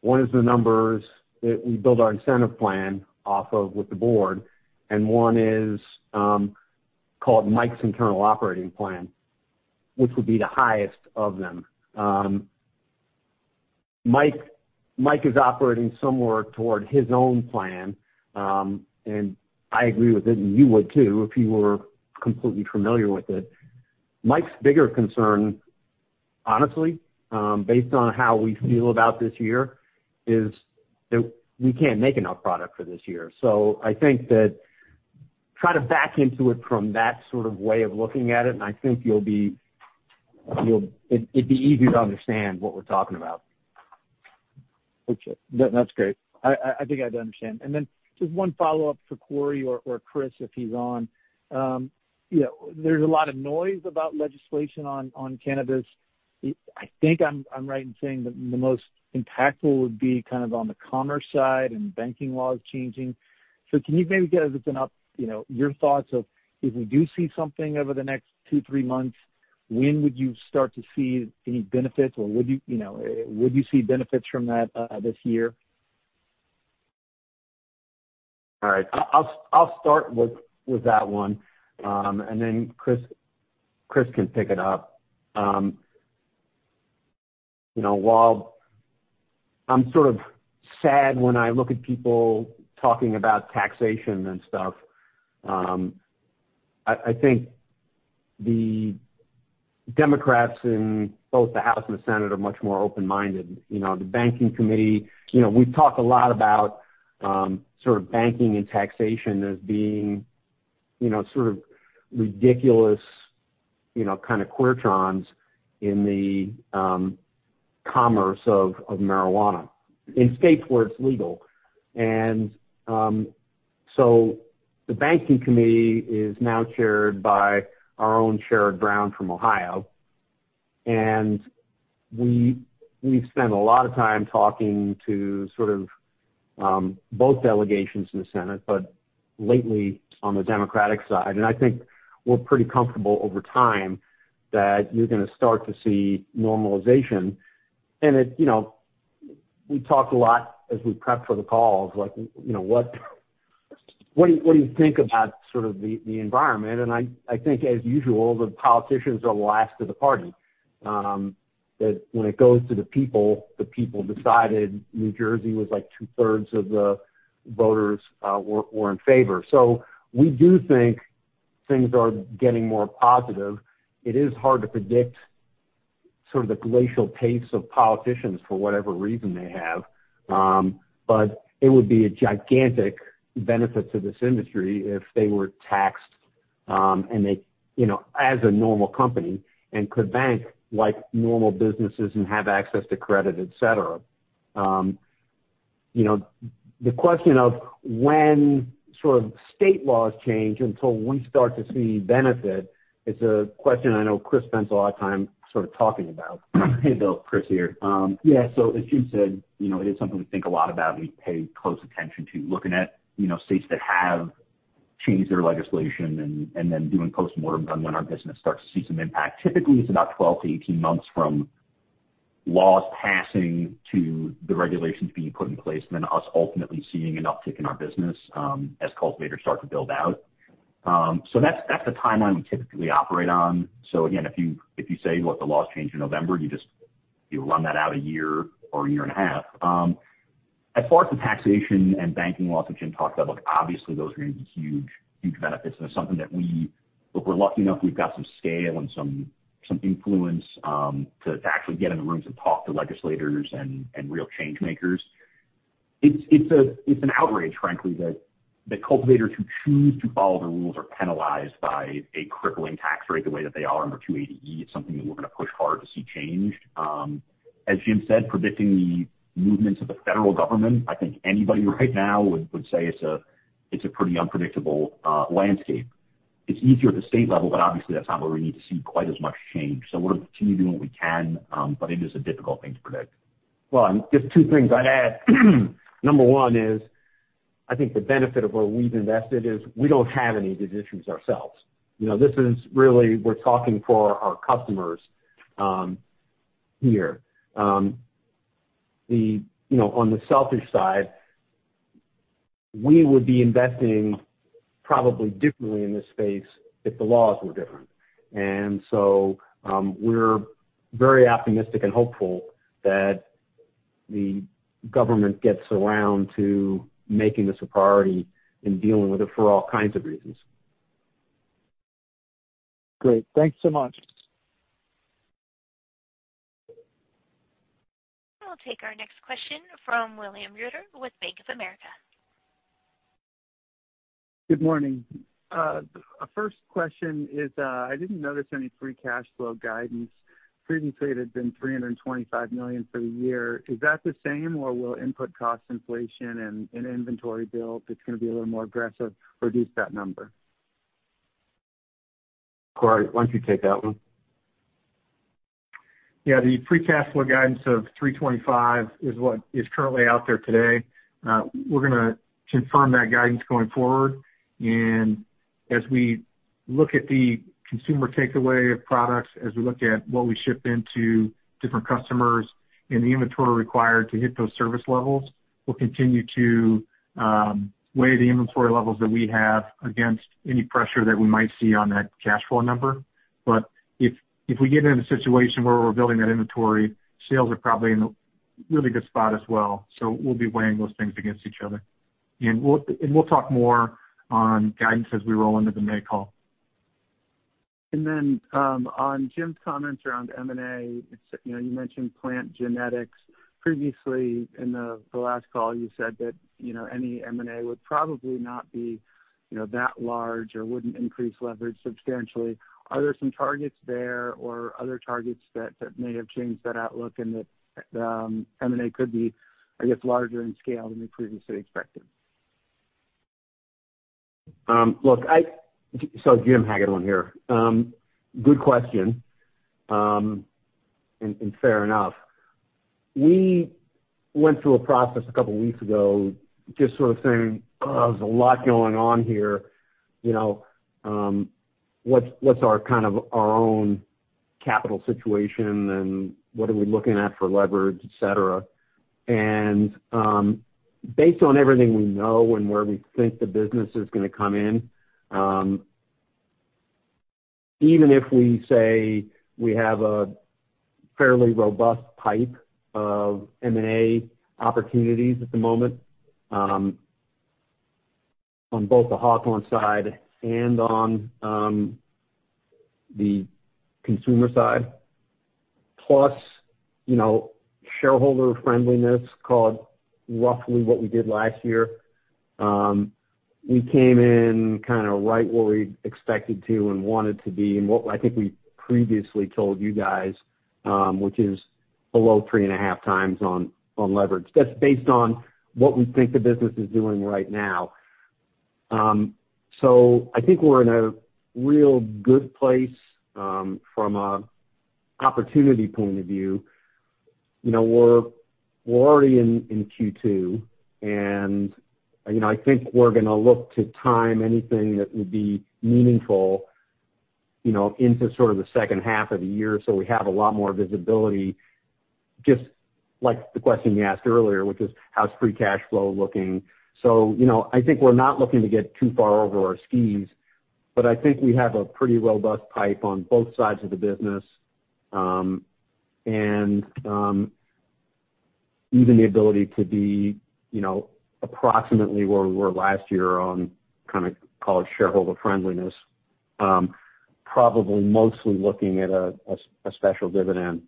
[SPEAKER 3] one is the numbers that we build our incentive plan off of with the board, and one is called Mike's Internal Operating Plan, which would be the highest of them. Mike is operating somewhere toward his own plan, and I agree with it, and you would too, if you were completely familiar with it. Mike's bigger concern, honestly, based on how we feel about this year, is that we can't make enough product for this year. I think that try to back into it from that sort of way of looking at it, and I think it'd be easier to understand what we're talking about.
[SPEAKER 5] Okay. That's great. I think I'd understand. Just one follow-up for Cory or Chris, if he's on. There's a lot of noise about legislation on cannabis. I think I'm right in saying that the most impactful would be kind of on the commerce side and banking laws changing. Can you maybe open up your thoughts of, if we do see something over the next two, three months, when would you start to see any benefits, or would you see benefits from that this year?
[SPEAKER 3] All right. I'll start with that one, Chris can pick it up. While I'm sort of sad when I look at people talking about taxation and stuff, I think the Democrats in both the House and the Senate are much more open-minded. The Banking Committee, we've talked a lot about sort of banking and taxation as being sort of ridiculous kind of quirks in the commerce of marijuana in states where it's legal. The Banking Committee is now chaired by our own Sherrod Brown from Ohio. We've spent a lot of time talking to sort of both delegations in the Senate, but lately on the Democratic side. I think we're pretty comfortable over time that you're going to start to see normalization. We talked a lot as we prepped for the calls, like what do you think about sort of the environment? I think, as usual, the politicians are the last to the party, that when it goes to the people, the people decided. New Jersey was like two-thirds of the voters were in favor. We do think things are getting more positive. It is hard to predict sort of the glacial pace of politicians for whatever reason they have. It would be a gigantic benefit to this industry if they were taxed as a normal company and could bank like normal businesses and have access to credit, et cetera. The question of when sort of state laws changes until we start to see benefit, it's a question I know Chris spends a lot of time sort of talking about.
[SPEAKER 7] Hey, Bill. Chris here. As Jim said, it is something we think a lot about and we pay close attention to looking at states that have changed their legislation and then doing postmortem on when our business starts to see some impact. Typically, it's about 12-18 months from laws passing to the regulations being put in place, and then us ultimately seeing an uptick in our business as cultivators start to build out. That's the timeline we typically operate on. If you say, look, the laws change in November, you run that out a year or a year and a half. As far as the taxation and banking laws, which Jim talked about, look, obviously, those are going to be huge benefits, and it's something that we're lucky enough, we've got some scale and some influence to actually get in the rooms and talk to legislators and real change makers. It's an outrage, frankly, that cultivators who choose to follow the rules are penalized by a crippling tax rate the way that they are under 280E. It's something that we're going to push hard to see changed. As Jim said, predicting the movements of the federal government, I think anybody right now would say it's a pretty unpredictable landscape. It's easier at the state level, but obviously that's not where we need to see quite as much change. We'll continue doing what we can, but it is a difficult thing to predict.
[SPEAKER 3] Just two things I'd add. Number one is, I think the benefit of where we've invested is we don't have any of these issues ourselves. We're talking for our customers here. On the selfish side, we would be investing probably differently in this space if the laws were different. We're very optimistic and hopeful that the government gets around to making this a priority and dealing with it for all kinds of reasons.
[SPEAKER 5] Great. Thanks so much.
[SPEAKER 1] I'll take our next question from William Reuter with Bank of America.
[SPEAKER 8] Good morning. First question is, I didn't notice any free cash flow guidance. Previously, it had been $325 million for the year. Is that the same, or will input cost inflation and inventory build that's going to be a little more aggressive reduce that number?
[SPEAKER 3] Cory, why don't you take that one?
[SPEAKER 4] Yeah. The free cash flow guidance of $325 is what is currently out there today. We're going to confirm that guidance going forward. As we look at the consumer takeaway of products, as we look at what we ship into different customers and the inventory required to hit those service levels, we'll continue to weigh the inventory levels that we have against any pressure that we might see on that cash flow number. If we get in a situation where we're building that inventory, sales are probably in a really good spot as well. We'll be weighing those things against each other. We'll talk more on guidance as we roll into the May call.
[SPEAKER 8] On Jim's comments around M&A, you mentioned plant genetics. Previously in the last call, you said that any M&A would probably not be that large or wouldn't increase leverage substantially. Are there some targets there or other targets that may have changed that outlook and that M&A could be, I guess, larger in scale than we previously expected?
[SPEAKER 3] Jim Hagedorn on here. Good question and fair enough. We went through a process a couple weeks ago just sort of saying, "Oh, there's a lot going on here. What's our own capital situation, and what are we looking at for leverage," et cetera. Based on everything we know and where we think the business is going to come in, even if we say we have a fairly robust pipe of M&A opportunities at the moment on both the Hawthorne side and on the consumer side, plus shareholder friendliness called roughly what we did last year. We came in kind of right where we expected to and wanted to be and what I think we previously told you guys, which is below 3.5x on leverage. That's based on what we think the business is doing right now. I think we're in a real good place from an opportunity point of view. We're already in Q2. I think we're going to look to time anything that would be meaningful into sort of the second half of the year so we have a lot more visibility, just like the question you asked earlier, which is, how's free cash flow looking? I think we're not looking to get too far over our skis, but I think we have a pretty robust pipe on both sides of the business. Even the ability to be approximately where we were last year on kind of call it shareholder friendliness, probably mostly looking at a special dividend.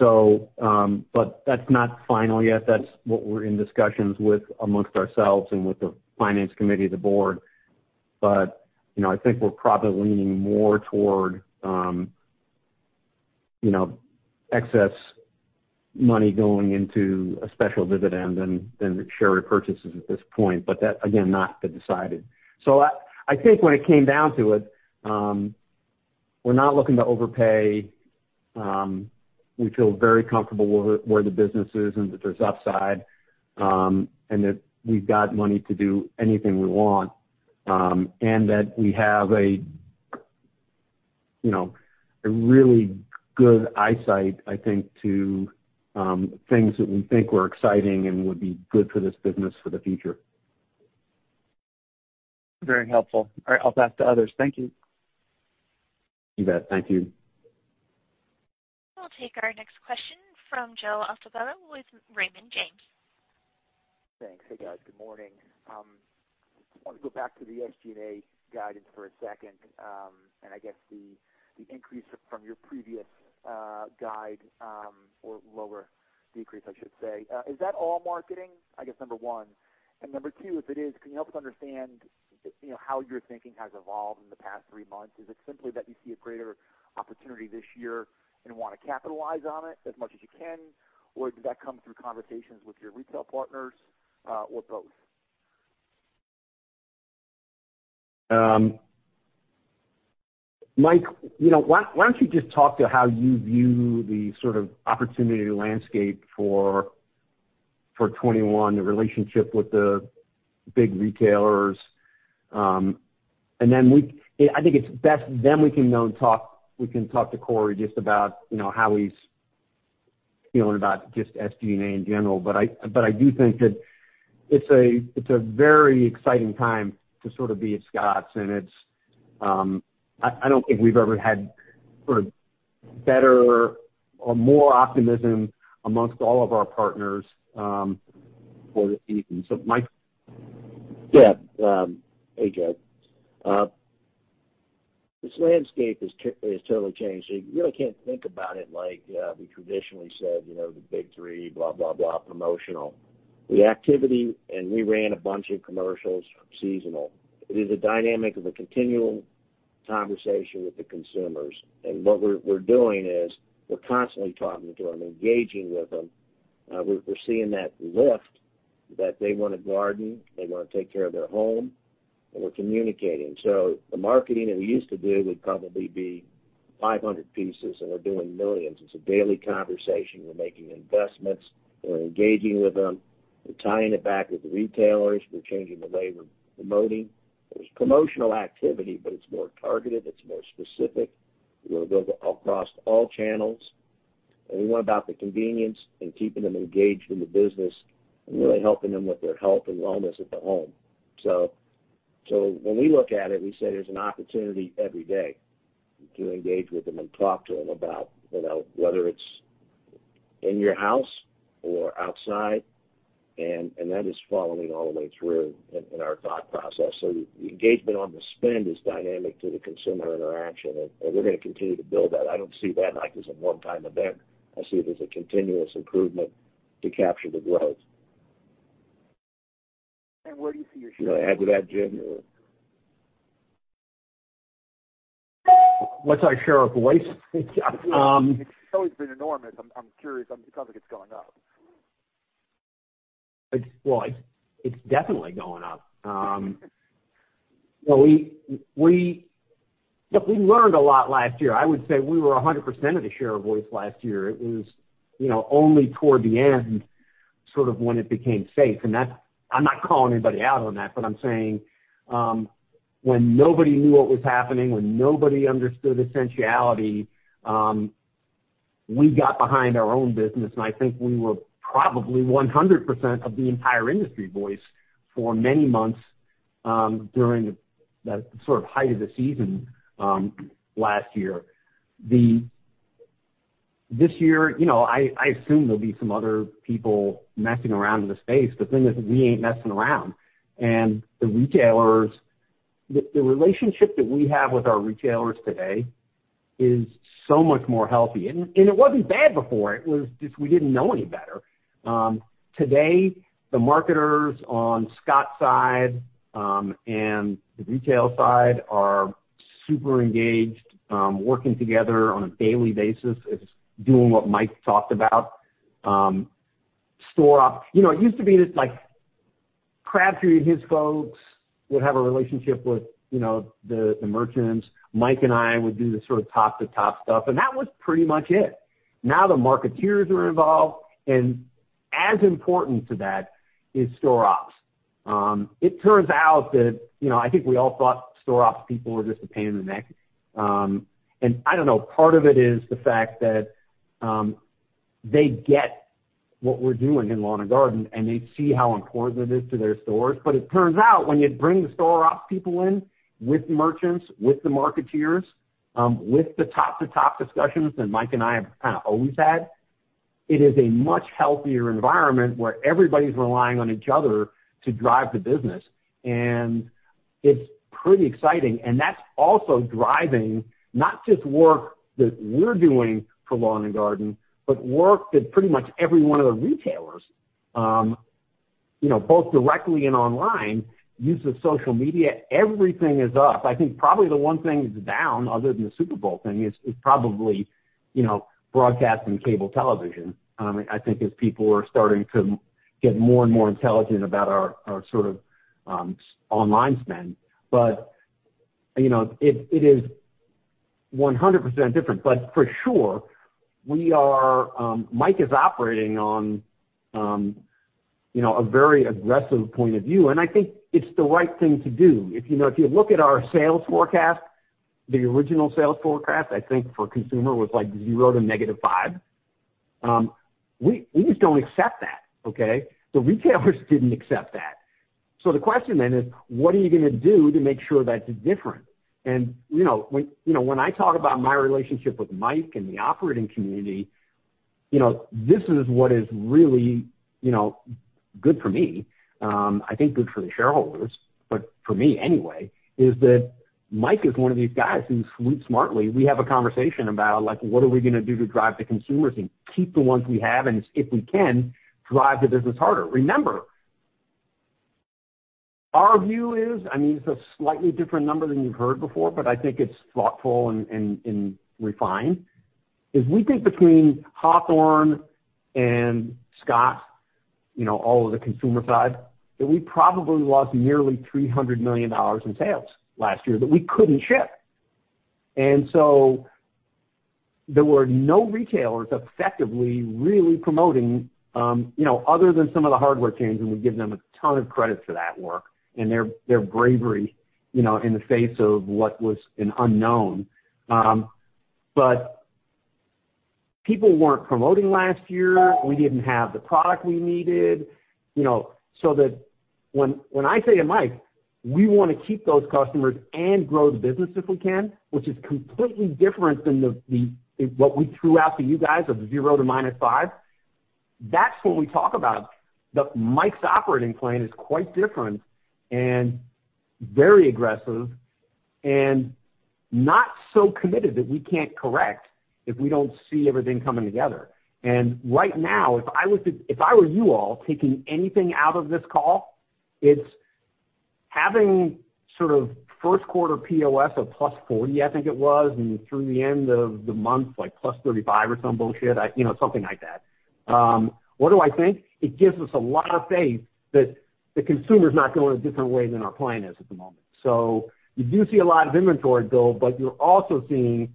[SPEAKER 3] That's not final yet. That's what we're in discussions with amongst ourselves and with the finance committee of the board. I think we're probably leaning more toward excess money going into a special dividend than the share repurchases at this point. That, again, not been decided. I think when it came down to it, we're not looking to overpay. We feel very comfortable where the business is and that there's upside, and that we've got money to do anything we want, and that we have a really good eyesight, I think, to things that we think were exciting and would be good for this business for the future.
[SPEAKER 8] Very helpful. All right, I'll pass to others. Thank you.
[SPEAKER 3] You bet. Thank you.
[SPEAKER 1] I'll take our next question from Joe Altobello with Raymond James.
[SPEAKER 9] Thanks. Hey, guys. Good morning. I want to go back to the SG&A guidance for a second and I guess the increase from your previous guide or lower decrease, I should say. Is that all marketing? I guess number one. Number two, if it is, can you help us understand how your thinking has evolved in the past three months? Is it simply that you see a greater opportunity this year and want to capitalize on it as much as you can, or did that come through conversations with your retail partners? Both?
[SPEAKER 3] Mike, why don't you just talk to how you view the sort of opportunity landscape for 2021, the relationship with the big retailers. I think it's best then we can talk to Cory just about how he's feeling about just SG&A in general. I do think that it's a very exciting time to be at Scotts, and I don't think we've ever had sort of better or more optimism amongst all of our partners for anything. Mike?
[SPEAKER 6] Yeah. Hey, Joe. This landscape has totally changed. You really can't think about it like we traditionally said, the big three, blah, blah, promotional. The activity, we ran a bunch of commercials seasonal. It is a dynamic of a continual conversation with the consumers. What we're doing is we're constantly talking to them, engaging with them. We're seeing that lift, that they want to garden, they want to take care of their home, and we're communicating. The marketing that we used to do would probably be 500 pieces, and we're doing millions. It's a daily conversation. We're making investments. We're engaging with them. We're tying it back with the retailers. We're changing the way we're promoting. There's promotional activity, but it's more targeted. It's more specific. We want to go across all channels. We want about the convenience and keeping them engaged in the business and really helping them with their health and wellness at the home. When we look at it, we say there's an opportunity every day to engage with them and talk to them about whether it's in your house or outside. That is following all the way through in our thought process. The engagement on the spend is dynamic to the consumer interaction. We're going to continue to build that. I don't see that like as a one-time event. I see it as a continuous improvement to capture the growth.
[SPEAKER 9] Where do you see your share?
[SPEAKER 6] Should I add to that, Jim, or?
[SPEAKER 3] What's our share of voice?
[SPEAKER 9] Yeah. It's always been enormous. I'm curious because it's going up.
[SPEAKER 3] Well, it's definitely going up. Look, we learned a lot last year. I would say we were 100% of the share of voice last year. It was only toward the end sort of when it became safe, and I'm not calling anybody out on that, but I'm saying, when nobody knew what was happening, when nobody understood essentiality, we got behind our own business, and I think we were probably 100% of the entire industry voice for many months during the sort of height of the season last year. This year, I assume there'll be some other people messing around in the space. The thing is, we ain't messing around, and the relationship that we have with our retailers today is so much healthier, and it wasn't bad before. It was just we didn't know any better. Today, the marketers on Scotts side and the retail side are super engaged working together on a daily basis. It's doing what Mike talked about. It used to be this like Crafty and his folks would have a relationship with the merchants. Mike and I would do the sort of top-to-top stuff, and that was pretty much it. Now the marketeers are involved, and as important to that is store ops. It turns out that I think we all thought store ops people were just a pain in the neck. I don't know, part of it is the fact that they get what we're doing in lawn and garden, and they see how important it is to their stores. It turns out when you bring the store ops people in with merchants, with the marketeers, with the top-to-top discussions that Mike and I have kind of always had, it is a much healthier environment where everybody's relying on each other to drive the business, and it's pretty exciting, and that's also driving not just work that we're doing for lawn and garden, but work that pretty much every one of the retailers both directly and online uses social media. Everything is up. I think probably the one thing that's down other than the Super Bowl thing is probably broadcast and cable television. I think as people are starting to get more and more intelligent about our sort of online spend. It is 100% different, but for sure Mike is operating on a very aggressive point of view, and I think it's the right thing to do. If you look at our sales forecast, the original sales forecast, I think for consumer was like zero to negative five. We just don't accept that, okay? The retailers didn't accept that. The question then is, what are you going to do to make sure that's different? When I talk about my relationship with Mike and the operating community, this is what is really good for me. I think good for the shareholders, but for me anyway, is that Mike is one of these guys who sleeps smartly. We have a conversation about, what are we going to do to drive the consumers and keep the ones we have, and if we can, drive the business harder? Remember, our view is, it's a slightly different number than you've heard before, but I think it's thoughtful and refined. We think between Hawthorne and Scotts, all of the consumer side, that we probably lost nearly $300 million in sales last year that we couldn't ship. There were no retailers effectively really promoting, other than some of the hardware chains, and we give them a ton of credit for that work and their bravery in the face of what was an unknown. People weren't promoting last year. We didn't have the product we needed. When I say to Mike, we want to keep those customers and grow the business if we can, which is completely different than what we threw out to you guys of 0 to -5. That's what we talk about. Mike's operating plan is quite different and very aggressive and not so committed that we can't correct if we don't see everything coming together. Right now, if I were you all taking anything out of this call, it's having sort of first quarter POS of +40%, I think it was, and through the end of the month, like +35% or some bullshit, something like that. What do I think? It gives us a lot of faith that the consumer's not going a different way than our plan is at the moment. You do see a lot of inventory build, but you're also seeing,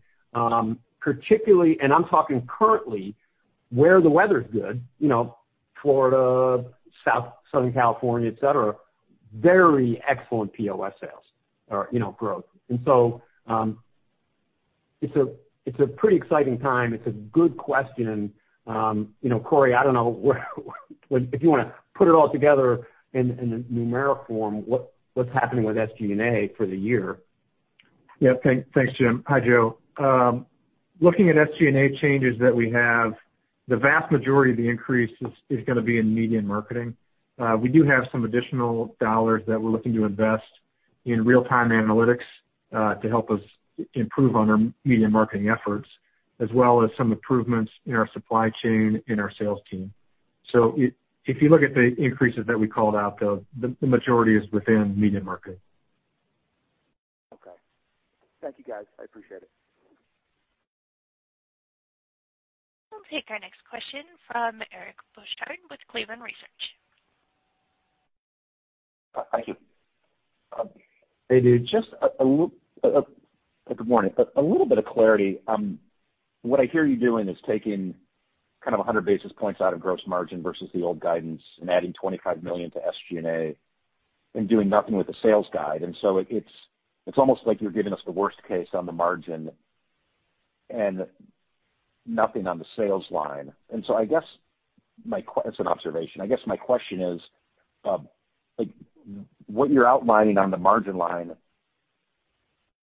[SPEAKER 3] particularly, and I'm talking currently, where the weather's good, Florida, Southern California, et cetera, very excellent POS sales or growth. It's a pretty exciting time. It's a good question. Cory, I don't know, if you want to put it all together in numeric form, what's happening with SG&A for the year?
[SPEAKER 4] Yeah. Thanks, Jim. Hi, Joe. Looking at SG&A changes that we have, the vast majority of the increase is going to be in media and marketing. We do have some additional dollars that we're looking to invest in real-time analytics to help us improve on our media marketing efforts, as well as some improvements in our supply chain and our sales team. If you look at the increases that we called out, though, the majority is within media and marketing.
[SPEAKER 9] Okay. Thank you, guys. I appreciate it.
[SPEAKER 1] We'll take our next question from Eric Bosshard with Cleveland Research.
[SPEAKER 10] Thank you. Hey, dude, good morning. A little bit of clarity. What I hear you doing is taking kind of 100 basis points out of gross margin versus the old guidance and adding $25 million to SG&A and doing nothing with the sales guide. It's almost like you're giving us the worst case on the margin and nothing on the sales line. I guess it's an observation. I guess my question is, what you're outlining on the margin line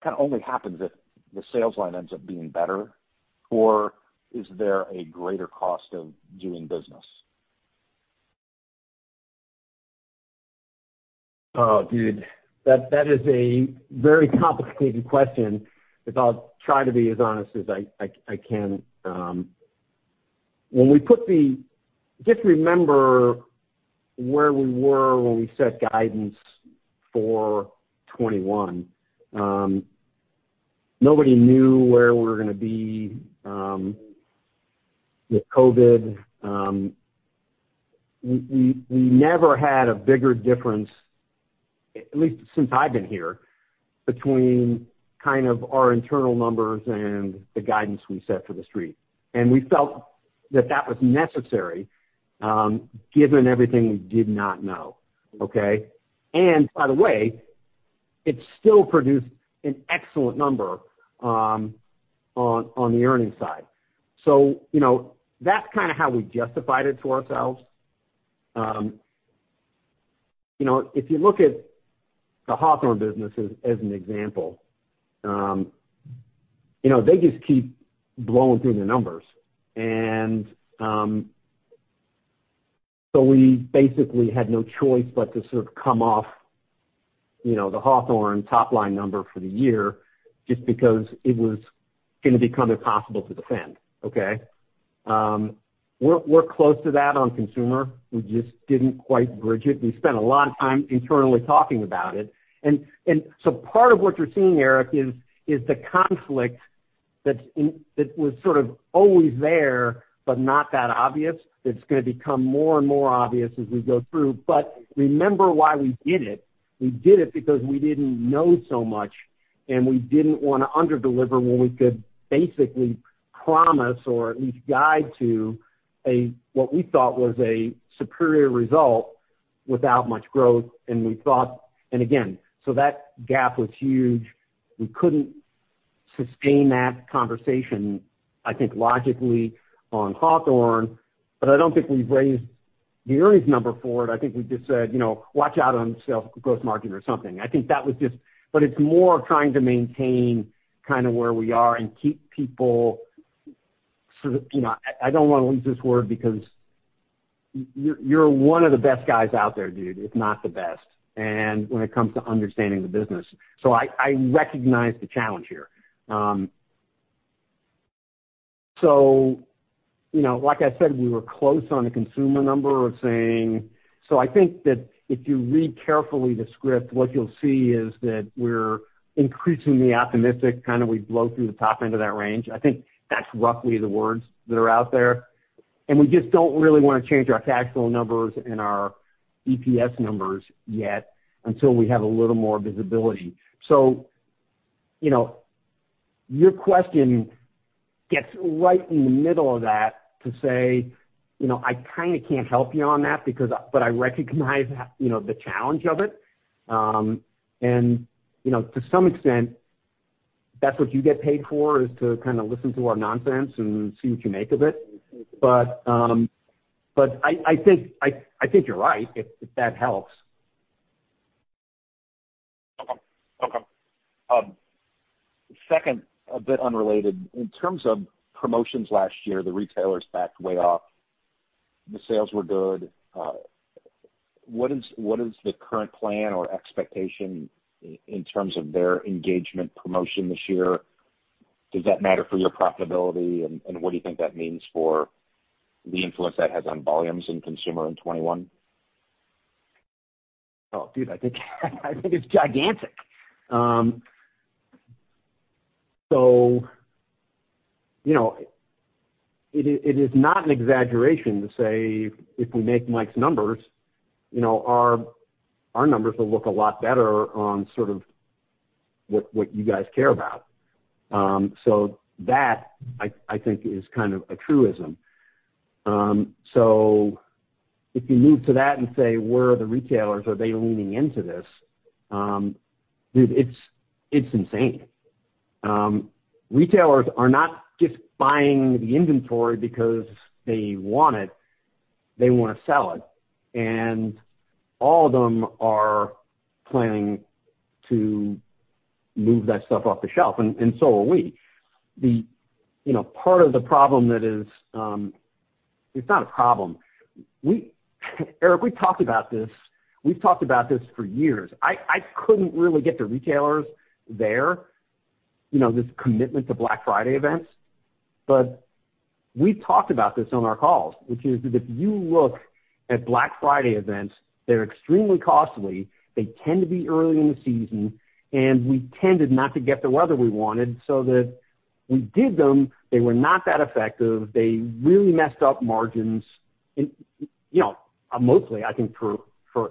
[SPEAKER 10] kind of only happens if the sales line ends up being better, or is there a greater cost of doing business?
[SPEAKER 3] Oh, dude, that is a very complicated question. I'll try to be as honest as I can. Just remember where we were when we set guidance for 2021. Nobody knew where we were going to be with COVID. We never had a bigger difference, at least since I've been here, between kind of our internal numbers and the guidance we set for The Street. We felt that that was necessary given everything we did not know. Okay? By the way, it still produced an excellent number on the earnings side. That's kind of how we justified it to ourselves. If you look at the Hawthorne business as an example, they just keep blowing through the numbers. We basically had no choice but to sort of come off the Hawthorne top-line number for the year just because it was going to become impossible to defend. Okay. We're close to that on consumer. We just didn't quite bridge it. We spent a lot of time internally talking about it. Part of what you're seeing, Eric, is the conflict that was sort of always there, but not that obvious. It's going to become more and more obvious as we go through. Remember why we did it. We did it because we didn't know so much, and we didn't want to under-deliver when we could basically promise or at least guide to what we thought was a superior result without much growth. That gap was huge. We couldn't sustain that conversation, I think, logically on Hawthorne, but I don't think we've raised the earnings number for it. I think we just said watch out on sales growth margin or something. It's more trying to maintain kind of where we are and keep people sort of. I don't want to use this word because you're one of the best guys out there, dude, if not the best, when it comes to understanding the business. I recognize the challenge here. Like I said, we were close on the consumer number of saying. I think that if you read carefully the script, what you'll see is that we're increasingly optimistic, kind of we blow through the top end of that range. I think that's roughly the words that are out there, and we just don't really want to change our cash flow numbers and our EPS numbers yet until we have a little more visibility. Your question gets right in the middle of that to say, I kind of can't help you on that because, but I recognize the challenge of it. To some extent, that's what you get paid for is to kind of listen to our nonsense and see what you make of it. I think you're right. If that helps.
[SPEAKER 10] Okay. Second, a bit unrelated. In terms of promotions last year, the retailers backed way off. The sales were good. What is the current plan or expectation in terms of their engagement promotion this year? Does that matter for your profitability? What do you think that means for the influence that has on volumes in consumer in 2021?
[SPEAKER 3] Oh, dude, I think it's gigantic. It is not an exaggeration to say if we make Mike's numbers, our numbers will look a lot better on sort of what you guys care about. That, I think is kind of a truism. If you move to that and say, where are the retailers? Are they leaning into this? Dude, it's insane. Retailers are not just buying the inventory because they want it. They want to sell it, and all of them are planning to move that stuff off the shelf. Are we. Part of the problem that is. It's not a problem. Eric, we've talked about this for years. I couldn't really get the retailers there, this commitment to Black Friday events. We've talked about this on our calls, which is if you look at Black Friday events, they're extremely costly, they tend to be early in the season, and we tended not to get the weather we wanted so that we did them, they were not that effective. They really messed up margins. Mostly, I think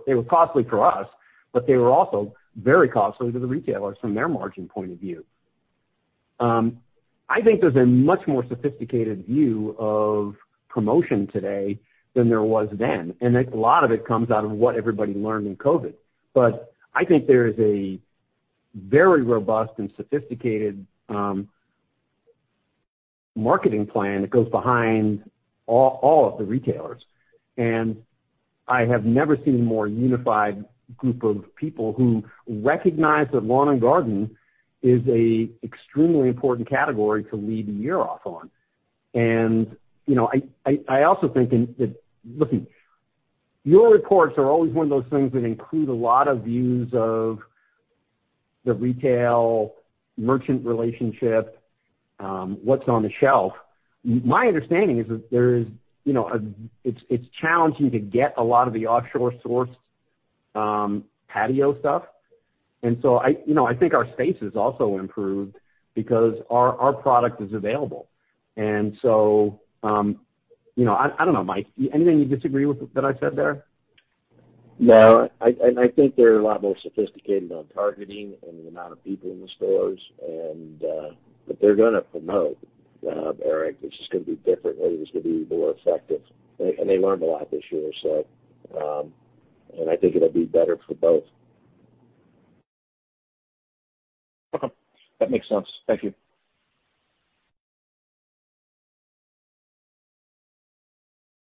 [SPEAKER 3] they were costly for us, but they were also very costly to the retailers from their margin point of view. I think there's a much more sophisticated view of promotion today than there was then, and a lot of it comes out of what everybody learned in COVID. I think there is a very robust and sophisticated marketing plan that goes behind all of the retailers, and I have never seen a more unified group of people who recognize that lawn and garden is an extremely important category to lead the year off on. I also think that look, your reports are always one of those things that include a lot of views of the retail merchant relationship, what's on the shelf. My understanding is that it's challenging to get a lot of the offshore sourced patio stuff. I think our space has also improved because our product is available. I don't know, Mike, anything you disagree with that I said there?
[SPEAKER 6] No. I think they're a lot more sophisticated on targeting and the amount of people in the stores. They're going to promote, Eric. It's just going to be differently, it's going to be more effective. They learned a lot this year. I think it'll be better for both.
[SPEAKER 10] Okay. That makes sense. Thank you.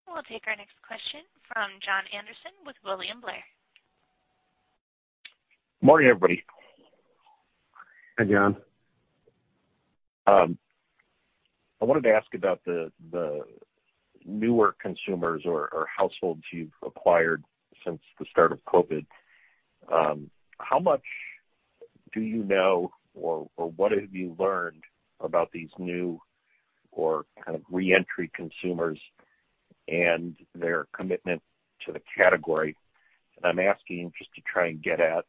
[SPEAKER 1] We'll take our next question from Jon Andersen with William Blair.
[SPEAKER 11] Morning, everybody.
[SPEAKER 3] Hi, Jon.
[SPEAKER 11] I wanted to ask about the newer consumers or households you've acquired since the start of COVID. How much do you know or what have you learned about these new or kind of re-entry consumers and their commitment to the category? I'm asking just to try and get at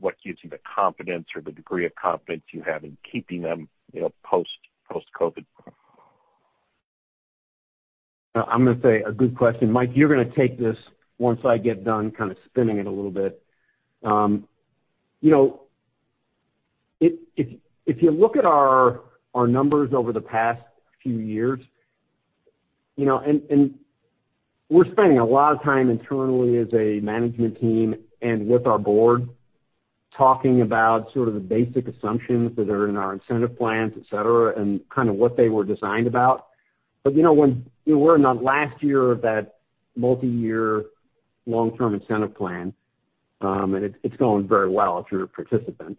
[SPEAKER 11] what gives you the confidence or the degree of confidence you have in keeping them post-COVID.
[SPEAKER 3] I'm going to say a good question. Mike, you're going to take this once I get done kind of spinning it a little bit. If you look at our numbers over the past few years, we're spending a lot of time internally as a management team and with our board talking about sort of the basic assumptions that are in our incentive plans, et cetera, and kind of what they were designed about. We're in our last year of that multi-year long term incentive plan, and it's going very well if you're a participant.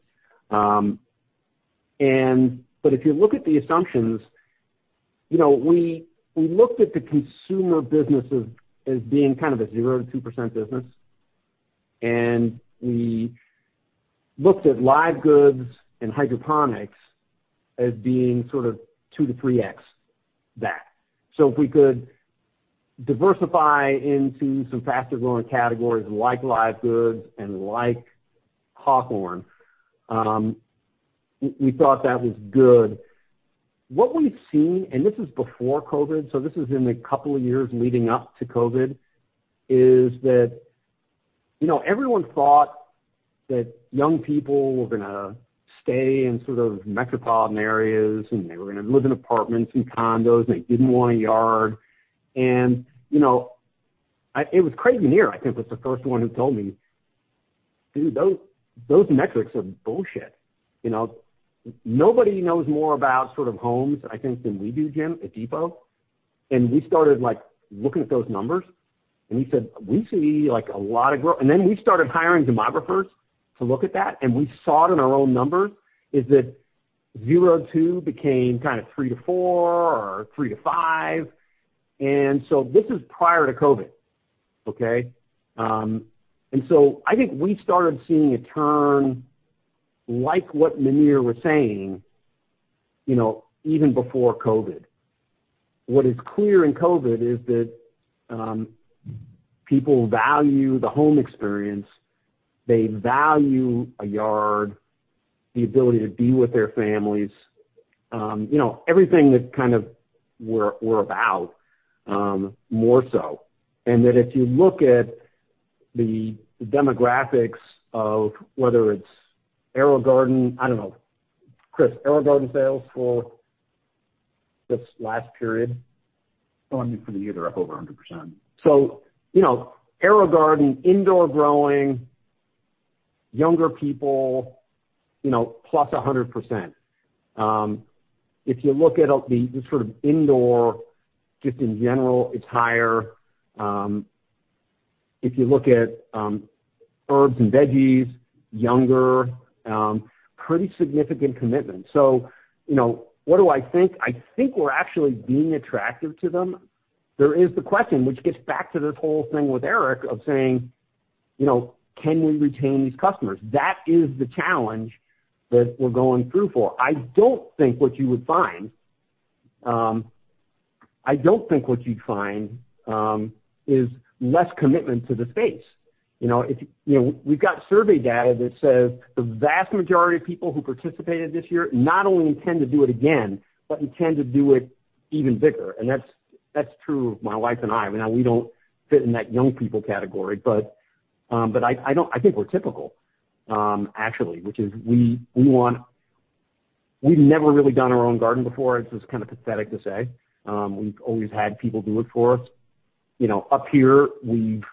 [SPEAKER 3] If you look at the assumptions, we looked at the consumer business as being kind of a zero to 2% business. We looked at live goods and hydroponics as being sort of two to three X that. If we could diversify into some faster-growing categories like live goods and like Hawthorne, we thought that was good. What we've seen, and this is before COVID, so this is in the couple of years leading up to COVID, is that everyone thought that young people were going to stay in sort of metropolitan areas, and they were going to live in apartments and condos, and they didn't want a yard. It was Craig Menear, I think, was the first one who told me, "Dude, those metrics are bullshit." Nobody knows more about sort of homes, I think, than we do, Jim, at Depot. We started looking at those numbers, we said, "We see a lot of growth." Then we started hiring demographers to look at that, we saw it in our own numbers, is that zero two became kind of three to four or three to five. This is prior to COVID. Okay? I think we started seeing a turn, like what Menear was saying, even before COVID. What is clear in COVID is that people value the home experience. They value a yard, the ability to be with their families, everything that kind of we're about, more so. If you look at the demographics of whether it's AeroGarden, I don't know. Chris, AeroGarden sales for this last period?
[SPEAKER 7] For the year, they're up over 100%.
[SPEAKER 3] AeroGarden, indoor growing, younger people, plus 100%. If you look at the sort of indoor, just in general, it's higher. If you look at herbs and veggies, younger, pretty significant commitment. What do I think? I think we're actually being attractive to them. There is the question, which gets back to this whole thing with Eric of saying, can we retain these customers? That is the challenge that we're going through for. I don't think what you'd find is less commitment to the space. We've got survey data that says the vast majority of people who participated this year not only intend to do it again, but intend to do it even bigger. That's true of my wife and I. Now, we don't fit in that young people category, but I think we're typical, actually, which is We've never really done our own garden before. This is kind of pathetic to say. We've always had people do it for us. Up here, we've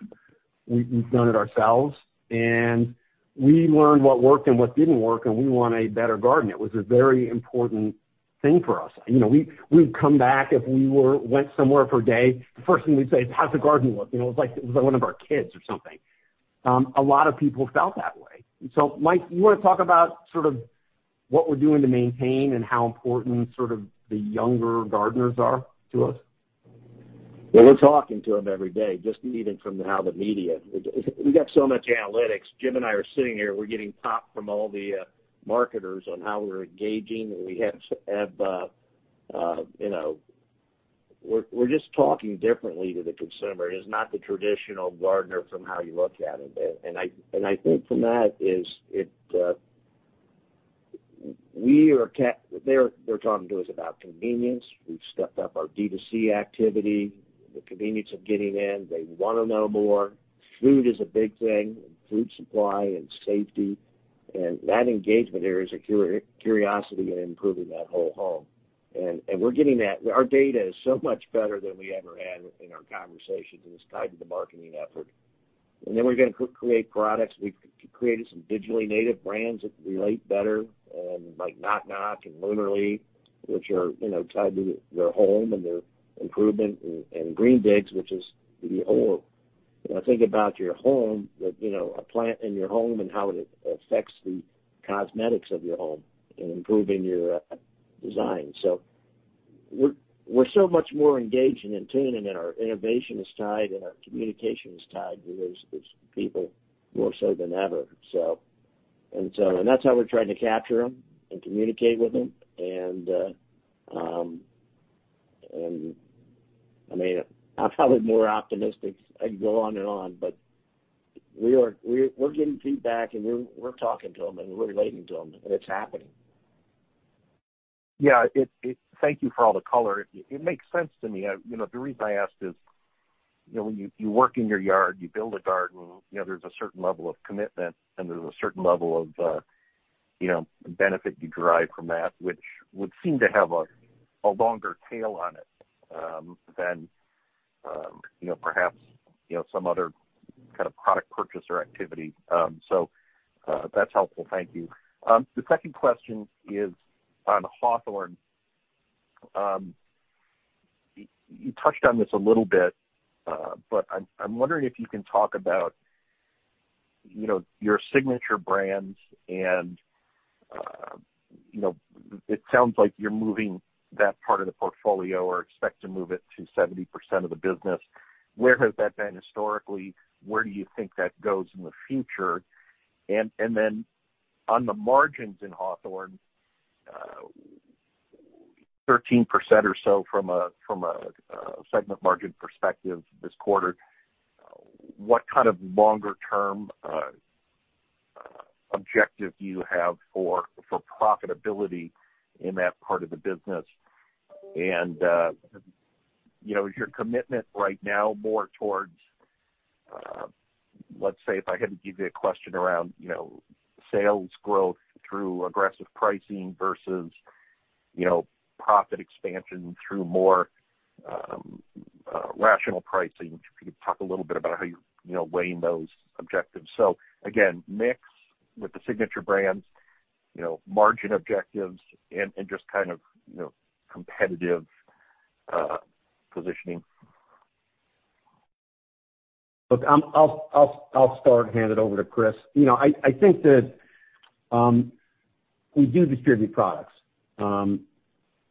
[SPEAKER 3] done it ourselves, and we learned what worked and what didn't work, and we want a better garden. It was a very important thing for us. We'd come back if we went somewhere for a day, the first thing we'd say is, "How's the garden look?" It was like one of our kids or something. A lot of people felt that way. Mike, you want to talk about sort of what we're doing to maintain and how important sort of the younger gardeners are to us?
[SPEAKER 6] We're talking to them every day. We've got so much analytics. Jim and I are sitting here, we're getting pop from all the marketers on how we're engaging. We're just talking differently to the consumer. It is not the traditional gardener from how you look at it. I think from that is they're talking to us about convenience. We've stepped up our D2C activity, the convenience of getting in. They want to know more. Food is a big thing, and food supply and safety. That engagement there is a curiosity in improving that whole home. We're getting that. Our data is so much better than we ever had in our conversations, and it's tied to the marketing effort. Then we're going to create products. We've created some digitally native brands that relate better, like Knock! Knock! and Lunarly, which are tied to their home and their improvement, and Greendigs, which is the whole thing about your home, a plant in your home, and how it affects the cosmetics of your home and improving your design. We're so much more engaged and in tune, and our innovation is tied, and our communication is tied to those people more so than ever. That's how we're trying to capture them and communicate with them. I'm probably more optimistic. I could go on and on. We're getting feedback, and we're talking to them, and we're relating to them, and it's happening.
[SPEAKER 11] Thank you for all the color. It makes sense to me. The reason I asked is, when you work in your yard, you build a garden, there's a certain level of commitment, and there's a certain level of benefit you derive from that, which would seem to have a longer tail on it than perhaps some other kind of product purchase or activity. That's helpful. Thank you. The second question is on Hawthorne. You touched on this a little bit, but I'm wondering if you can talk about your signature brands and it sounds like you're moving that part of the portfolio or expect to move it to 70% of the business. Where has that been historically? Where do you think that goes in the future? On the margins in Hawthorne, 13% or so from a segment margin perspective this quarter, what kind of longer-term objective do you have for profitability in that part of the business? Is your commitment right now more towards, let's say if I had to give you a question around sales growth through aggressive pricing versus profit expansion through more rational pricing. Could you talk a little bit about how you're weighing those objectives? Again, mix with the signature brands, margin objectives, and just kind of competitive positioning.
[SPEAKER 3] Look, I'll start and hand it over to Chris. I think that we do distribute products.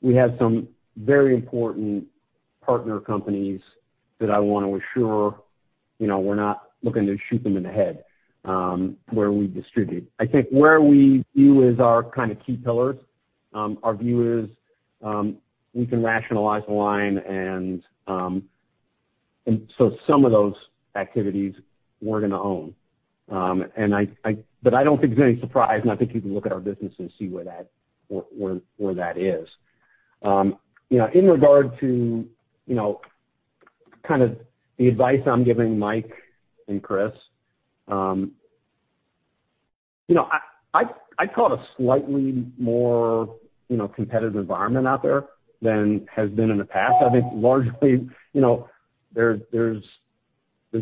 [SPEAKER 3] We have some very important partner companies that I want to assure, we're not looking to shoot them in the head where we distribute. I think where we view as our kind of key pillars, our view is we can rationalize the line and so some of those activities we're going to own. I don't think there's any surprise, and I think you can look at our business and see where that is. In regard to kind of the advice I'm giving Mike and Chris, I call it a slightly more competitive environment out there than has been in the past. I think largely, there's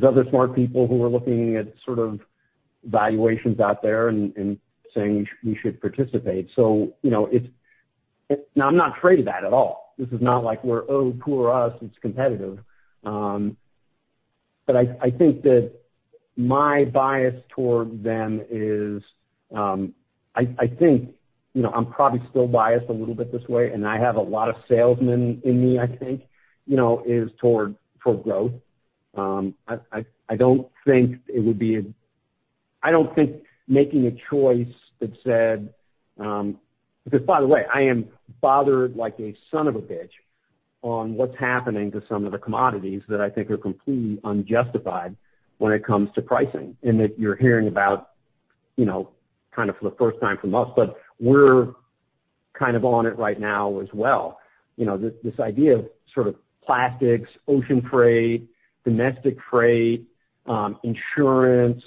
[SPEAKER 3] other smart people who are looking at sort of valuations out there and saying we should participate. Now I'm not afraid of that at all. This is not like we're, "Oh, poor us, it's competitive." I think that my bias toward them is, I think I'm probably still biased a little bit this way, and I have a lot of salesmen in me, I think, is toward growth. I don't think making a choice that said, because by the way, I am bothered like a son of a bitch on what's happening to some of the commodities that I think are completely unjustified when it comes to pricing. That you're hearing about kind of for the first time from us, but we're kind of on it right now as well. This idea of sort of plastics, ocean freight, domestic freight, insurance,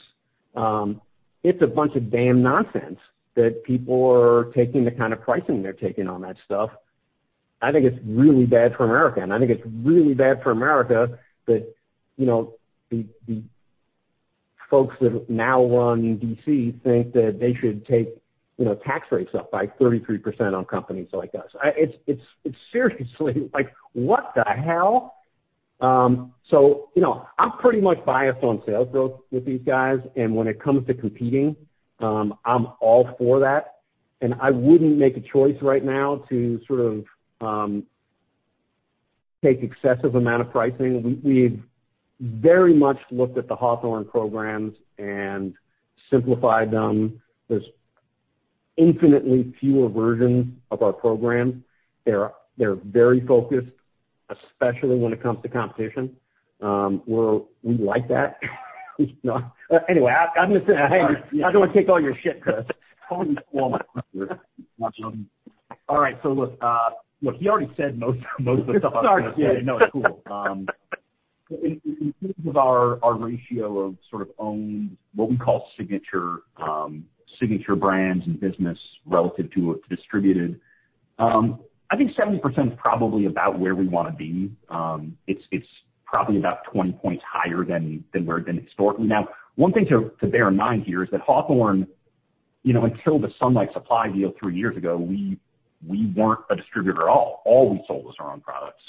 [SPEAKER 3] it's a bunch of damn nonsense that people are taking the kind of pricing they're taking on that stuff. I think it's really bad for America. I think it's really bad for America that the folks that now run D.C. think that they should take tax rates up by 33% on companies like us. It's seriously like, what the hell? I'm pretty much biased on sales growth with these guys, and when it comes to competing, I'm all for that. I wouldn't make a choice right now to sort of take excessive amount of pricing. We've very much looked at the Hawthorne programs and simplified them. There's infinitely fewer versions of our program. They're very focused, especially when it comes to competition. We like that. Anyway, I don't want to take all your shit, Chris.
[SPEAKER 7] All my questions. All right. Look, he already said most of the stuff I was going to say.
[SPEAKER 3] Sorry.
[SPEAKER 7] No, it's cool. In terms of our ratio of sort of owned, what we call signature brands and business relative to distributed, I think 70% is probably about where we want to be. It's probably about 20 points higher than historically. One thing to bear in mind here is that Hawthorne, until the Sunlight Supply deal three years ago, we weren't a distributor at all. All we sold was our own product.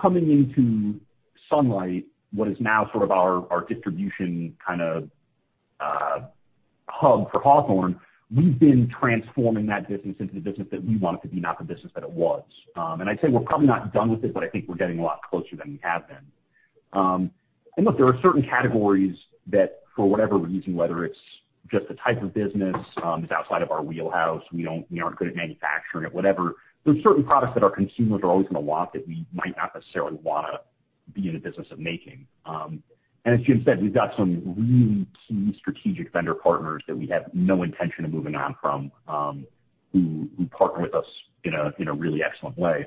[SPEAKER 7] Coming into Sunlight, what is now sort of our distribution kind of hub for Hawthorne, we've been transforming that business into the business that we want it to be, not the business that it was. I'd say we're probably not done with it, but I think we're getting a lot closer than we have been. Look, there are certain categories that for whatever reason, whether it's just the type of business that's outside of our wheelhouse, we aren't good at manufacturing it, whatever. There are certain products that our consumers are always going to want that we might not necessarily want to be in the business of making. As Jim said, we've got some really key strategic vendor partners that we have no intention of moving on from, who partner with us in a really excellent way.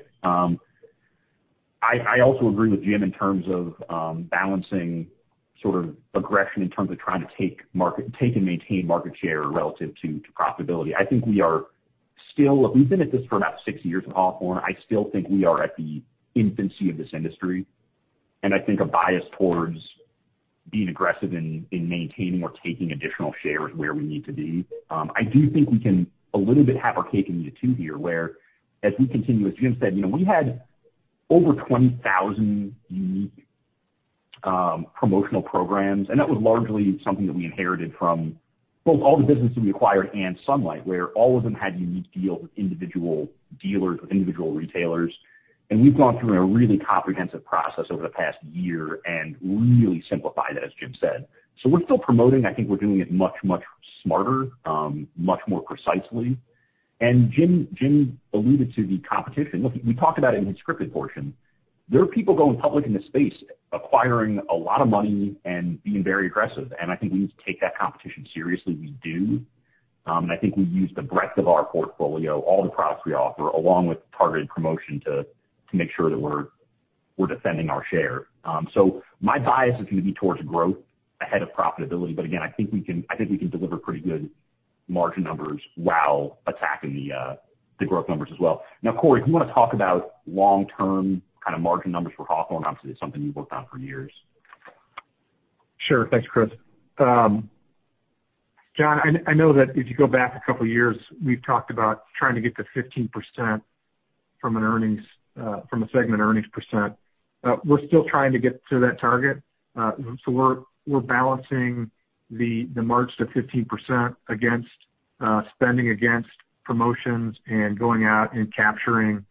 [SPEAKER 7] I also agree with Jim in terms of balancing sort of aggression in terms of trying to take and maintain market share relative to profitability. I think we are Look, we've been at this for about six years with Hawthorne. I still think we are at the infancy of this industry. I think a bias towards being aggressive in maintaining or taking additional share is where we need to be. I do think we can a little bit have our cake and eat it too here, where as we continue, as Jim said, we had over 20,000 unique promotional programs. That was largely something that we inherited from both all the businesses we acquired and Sunlight, where all of them had unique deals with individual dealers, with individual retailers. We've gone through a really comprehensive process over the past year and really simplified that, as Jim said. We're still promoting. I think we're doing it much, much smarter, much more precisely. Jim alluded to the competition. Look, we talked about it in the scripted portion. There are people going public in this space, acquiring a lot of money and being very aggressive, and I think we need to take that competition seriously. We do. I think we use the breadth of our portfolio, all the products we offer, along with targeted promotion to make sure that we're defending our share. My bias is going to be towards growth ahead of profitability, but again, I think we can deliver pretty good margin numbers while attacking the growth numbers as well. Cory, if you want to talk about long-term kind of margin numbers for Hawthorne, obviously, it's something you've worked on for years.
[SPEAKER 4] Sure. Thanks, Chris. Jon, I know that if you go back a couple of years, we've talked about trying to get to 15% from a segment earnings %. We're still trying to get to that target. We're balancing the march to 15% against spending against promotions and going out and capturing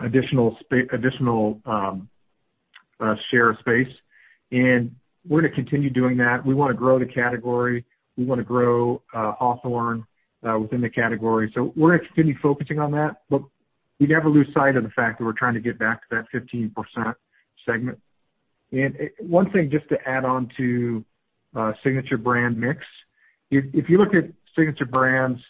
[SPEAKER 4] additional share of space. We're going to continue doing that. We want to grow the category. We want to grow Hawthorne within the category. We're going to continue focusing on that, but we never lose sight of the fact that we're trying to get back to that 15% segment. One thing just to add on to Signature Brands mix. If you look at Signature Brands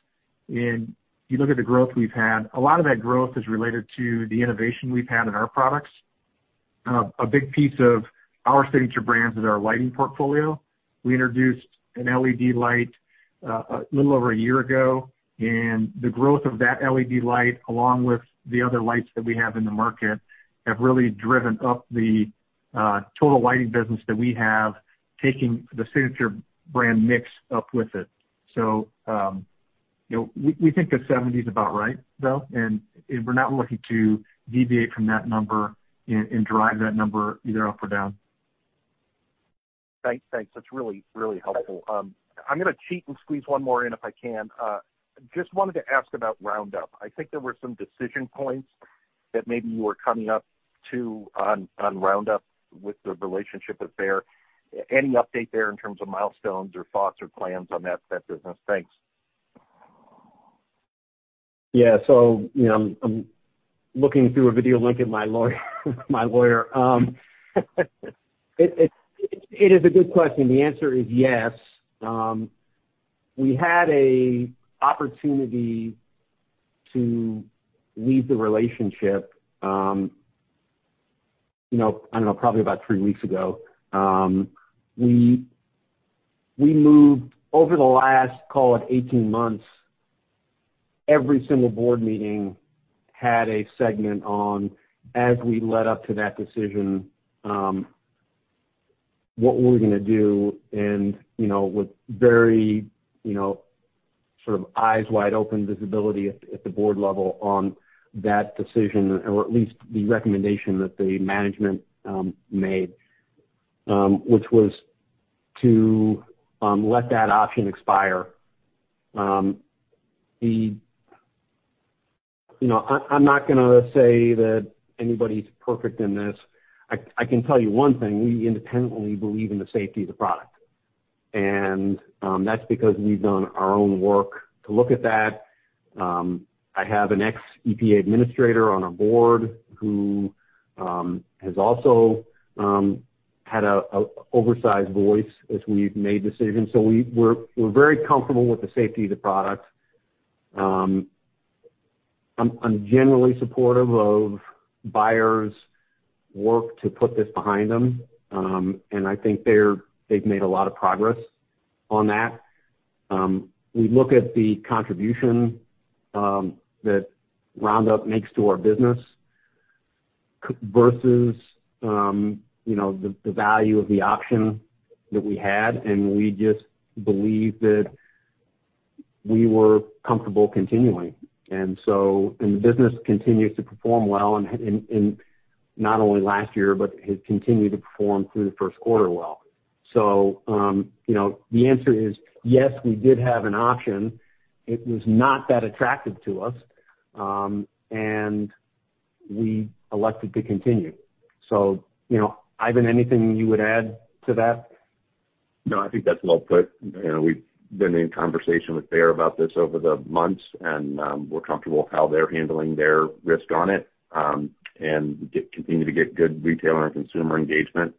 [SPEAKER 4] and you look at the growth we've had, a lot of that growth is related to the innovation we've had in our products. A big piece of our signature brands is our lighting portfolio. We introduced an LED light a little over a year ago, the growth of that LED light, along with the other lights that we have in the market, have really driven up the total lighting business that we have, taking the signature brand mix up with it. We think that 70 is about right, though, and we're not looking to deviate from that number and drive that number either up or down.
[SPEAKER 11] Thanks. That is really helpful. I am going to cheat and squeeze one more in if I can. Just wanted to ask about Roundup. I think there were some decision points that maybe you were coming up to on Roundup with the relationship with Bayer. Any update there in terms of milestones or thoughts or plans on that business? Thanks.
[SPEAKER 3] Yeah. I'm looking through a video link at my lawyer. It is a good question. The answer is yes. We had an opportunity to leave the relationship, I don't know, probably about three weeks ago. We moved over the last, call it 18 months, every single board meeting had a segment on as we led up to that decision, what we were going to do and with very sort of eyes wide open visibility at the board level on that decision, or at least the recommendation that the management made, which was to let that option expire. I'm not going to say that anybody's perfect in this. I can tell you one thing, we independently believe in the safety of the product, and that's because we've done our own work to look at that. I have an ex-EPA administrator on our board who has also had an oversized voice as we've made decisions. We're very comfortable with the safety of the product. I'm generally supportive of Bayer's work to put this behind them, and I think they've made a lot of progress on that. We look at the contribution that Roundup makes to our business versus the value of the option that we had, and we just believe that we were comfortable continuing. The business continues to perform well in not only last year, but it continued to perform through the first quarter well. The answer is, yes, we did have an option. It was not that attractive to us, and we elected to continue. anything you would add to that?
[SPEAKER 2] I think that's well put. We've been in conversation with Bayer about this over the months, and we're comfortable with how they're handling their risk on it. We continue to get good retailer and consumer engagement.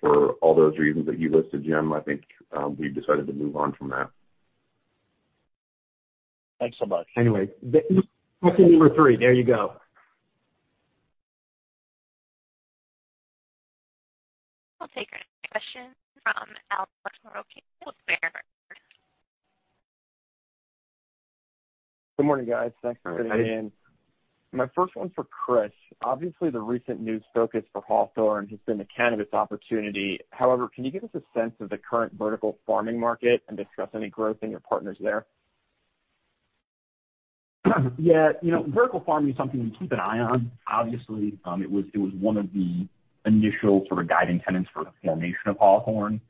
[SPEAKER 2] For all those reasons that you listed, Jim, I think, we've decided to move on from that.
[SPEAKER 11] Thanks so much.
[SPEAKER 3] Anyway, question number three. There you go.
[SPEAKER 1] I'll take your next question from Alex Maroccia, Berenberg Capital Markets
[SPEAKER 12] Good morning, guys. Thanks for fitting me in.
[SPEAKER 3] Hey.
[SPEAKER 12] My first one's for Chris. Obviously, the recent news focus for Hawthorne has been the cannabis opportunity. Can you give us a sense of the current vertical farming market and discuss any growth in your partners there?
[SPEAKER 7] Yeah, vertical farming is something we keep an eye on. Obviously, it was one of the initial guiding tenets for the formation of Hawthorne.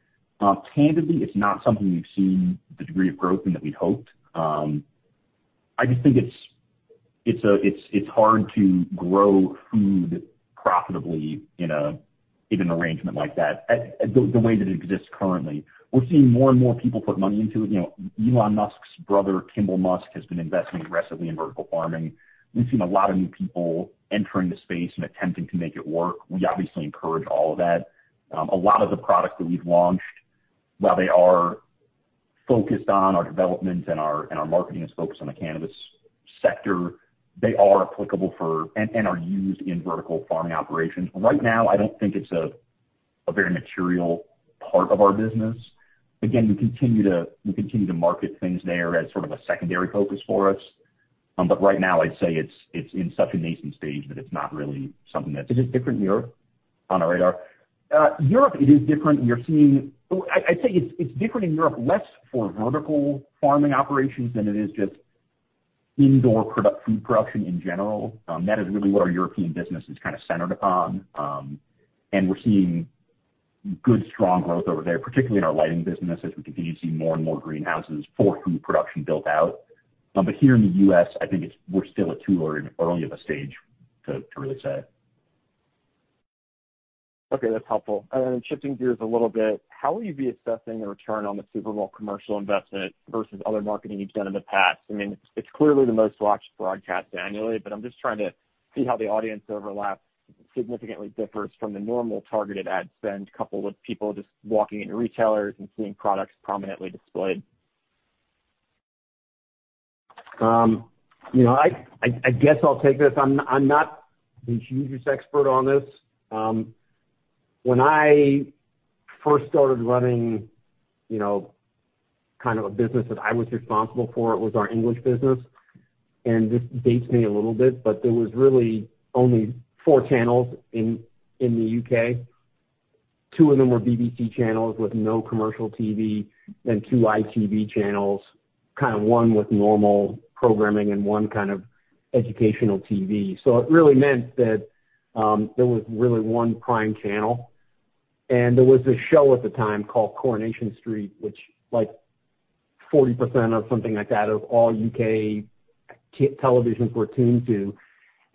[SPEAKER 7] Tangibly, it's not something we've seen the degree of growth in that we'd hoped. I just think it's hard to grow food profitably in an arrangement like that, the way that it exists currently. We're seeing more and more people put money into it. Elon Musk's brother, Kimbal Musk, has been investing aggressively in vertical farming. We've seen a lot of new people entering the space and attempting to make it work. We obviously encourage all of that. A lot of the products that we've launched, while they are focused on our development and our marketing is focused on the cannabis sector, they are applicable for and are used in vertical farming operations. Right now, I don't think it's a very material part of our business. We continue to market things there as sort of a secondary focus for us. Right now, I'd say it's in such a nascent stage that it's not really something.
[SPEAKER 12] Is it different in Europe?
[SPEAKER 7] On our radar. Europe, it is different. I'd say it's different in Europe, less for vertical farming operations than it is just indoor food production in general. That is really what our European business is kind of centered upon. We're seeing good, strong growth over there, particularly in our lighting business, as we continue to see more and more greenhouses for food production built out. Here in the U.S. I think we're still at too early of a stage to really say.
[SPEAKER 12] Okay, that's helpful. Shifting gears a little bit, how will you be assessing the return on the Super Bowl commercial investment versus other marketing you've done in the past? I mean, it's clearly the most-watched broadcast annually, I'm just trying to see how the audience overlap significantly differs from the normal targeted ad spend, coupled with people just walking into retailers and seeing products prominently displayed.
[SPEAKER 3] I guess I'll take this. I'm not the hugest expert on this. When I first started running a business that I was responsible for, it was our English business. This dates me a little bit, but there was really only four channels in the U.K. Two of them were BBC channels with no commercial TV and two ITV channels, kind of one with normal programming and one kind of educational TV. It really meant that there was really one prime channel, and there was a show at the time called "Coronation Street," which 40% or something like that of all U.K. television were tuned to,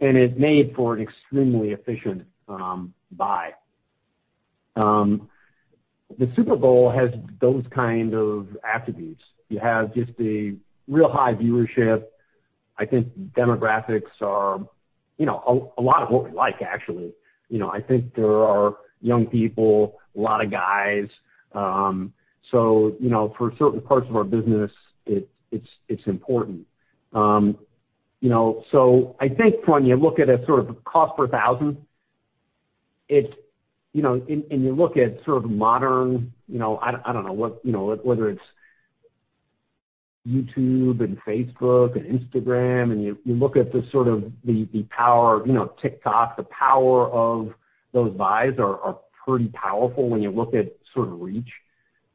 [SPEAKER 3] and it made for an extremely efficient buy. The Super Bowl has those kinds of attributes. You have just a real high viewership. I think demographics are a lot of what we like, actually. I think there are young people, a lot of guys. For certain parts of our business, it's important. I think when you look at a cost per thousand, and you look at modern, I don't know, whether it's YouTube and Facebook and Instagram, and you look at the power of TikTok, the power of those buys are pretty powerful when you look at reach.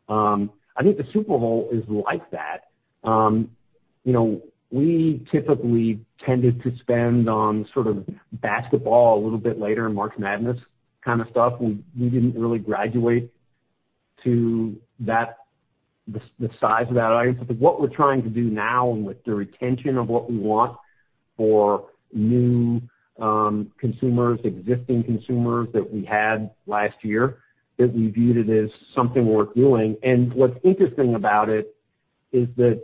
[SPEAKER 3] I think the Super Bowl is like that. We typically tended to spend on basketball a little bit later in March Madness kind of stuff. We didn't really graduate to the size of that item. What we're trying to do now and with the retention of what we want for new consumers, existing consumers that we had last year, that we viewed it as something worth doing. What's interesting about it is that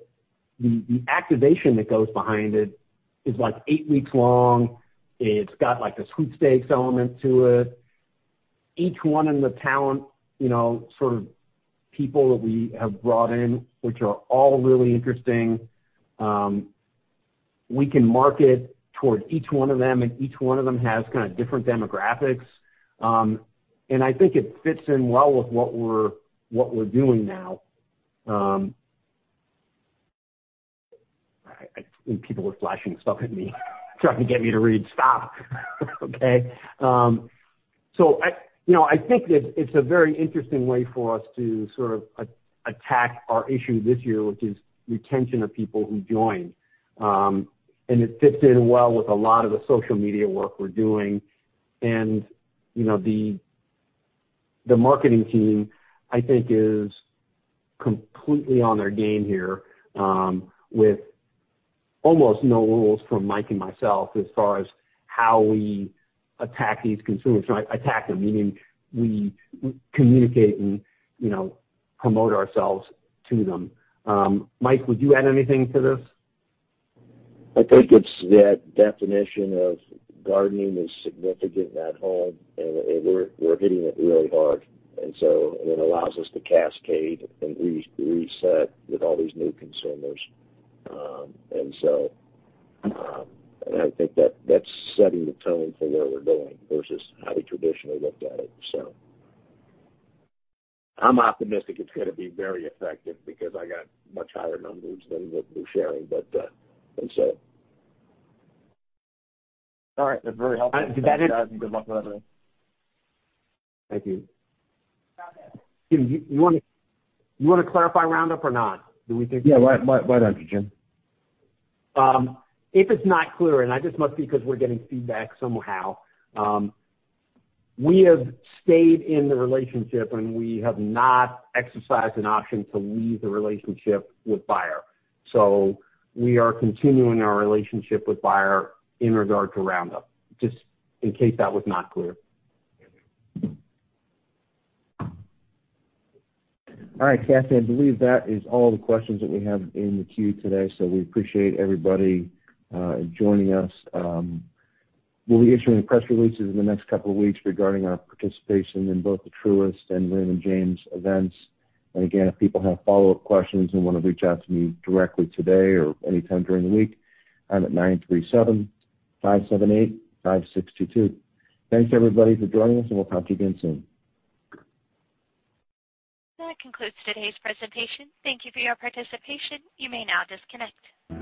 [SPEAKER 3] the activation that goes behind it is eight weeks long. It's got this sweepstakes element to it. Each one of the talent, sort of people that we have brought in, which are all really interesting, we can market toward each one of them, and each one of them has kind of different demographics. I think it fits in well with what we're doing now. People were flashing stuff at me, trying to get me to read stop. Okay. I think that it's a very interesting way for us to attack our issue this year, which is retention of people who join. It fits in well with a lot of the social media work we're doing. The marketing team, I think, is completely on their game here, with almost no rules from Mike and myself as far as how we attack these consumers. Attack them, meaning we communicate and promote ourselves to them. Mike, would you add anything to this?
[SPEAKER 6] I think it's that definition of gardening is significant at home, and we're hitting it really hard. It allows us to cascade and reset with all these new consumers. I think that's setting the tone for where we're going versus how we traditionally looked at it. I'm optimistic it's going to be very effective because I got much higher numbers than what we're sharing.
[SPEAKER 12] All right. That's very helpful. Good luck with everything.
[SPEAKER 7] Thank you. Jim, you want to clarify Roundup or not?
[SPEAKER 6] Yeah, why don't you, Jim?
[SPEAKER 3] If it's not clear, and I just must because we're getting feedback somehow. We have stayed in the relationship, and we have not exercised an option to leave the relationship with Bayer. We are continuing our relationship with Bayer in regard to Roundup, just in case that was not clear.
[SPEAKER 2] All right, Kathy, I believe that is all the questions that we have in the queue today. We appreciate everybody joining us. We'll be issuing press releases in the next couple of weeks regarding our participation in both the Truist and Raymond James events. Again, if people have follow-up questions and want to reach out to me directly today or anytime during the week, I'm at nine, three, seven, five, seven, eight, five, six, two, two. Thanks, everybody, for joining us, and we'll talk to you again soon.
[SPEAKER 1] That concludes today's presentation. Thank you for your participation. You may now disconnect.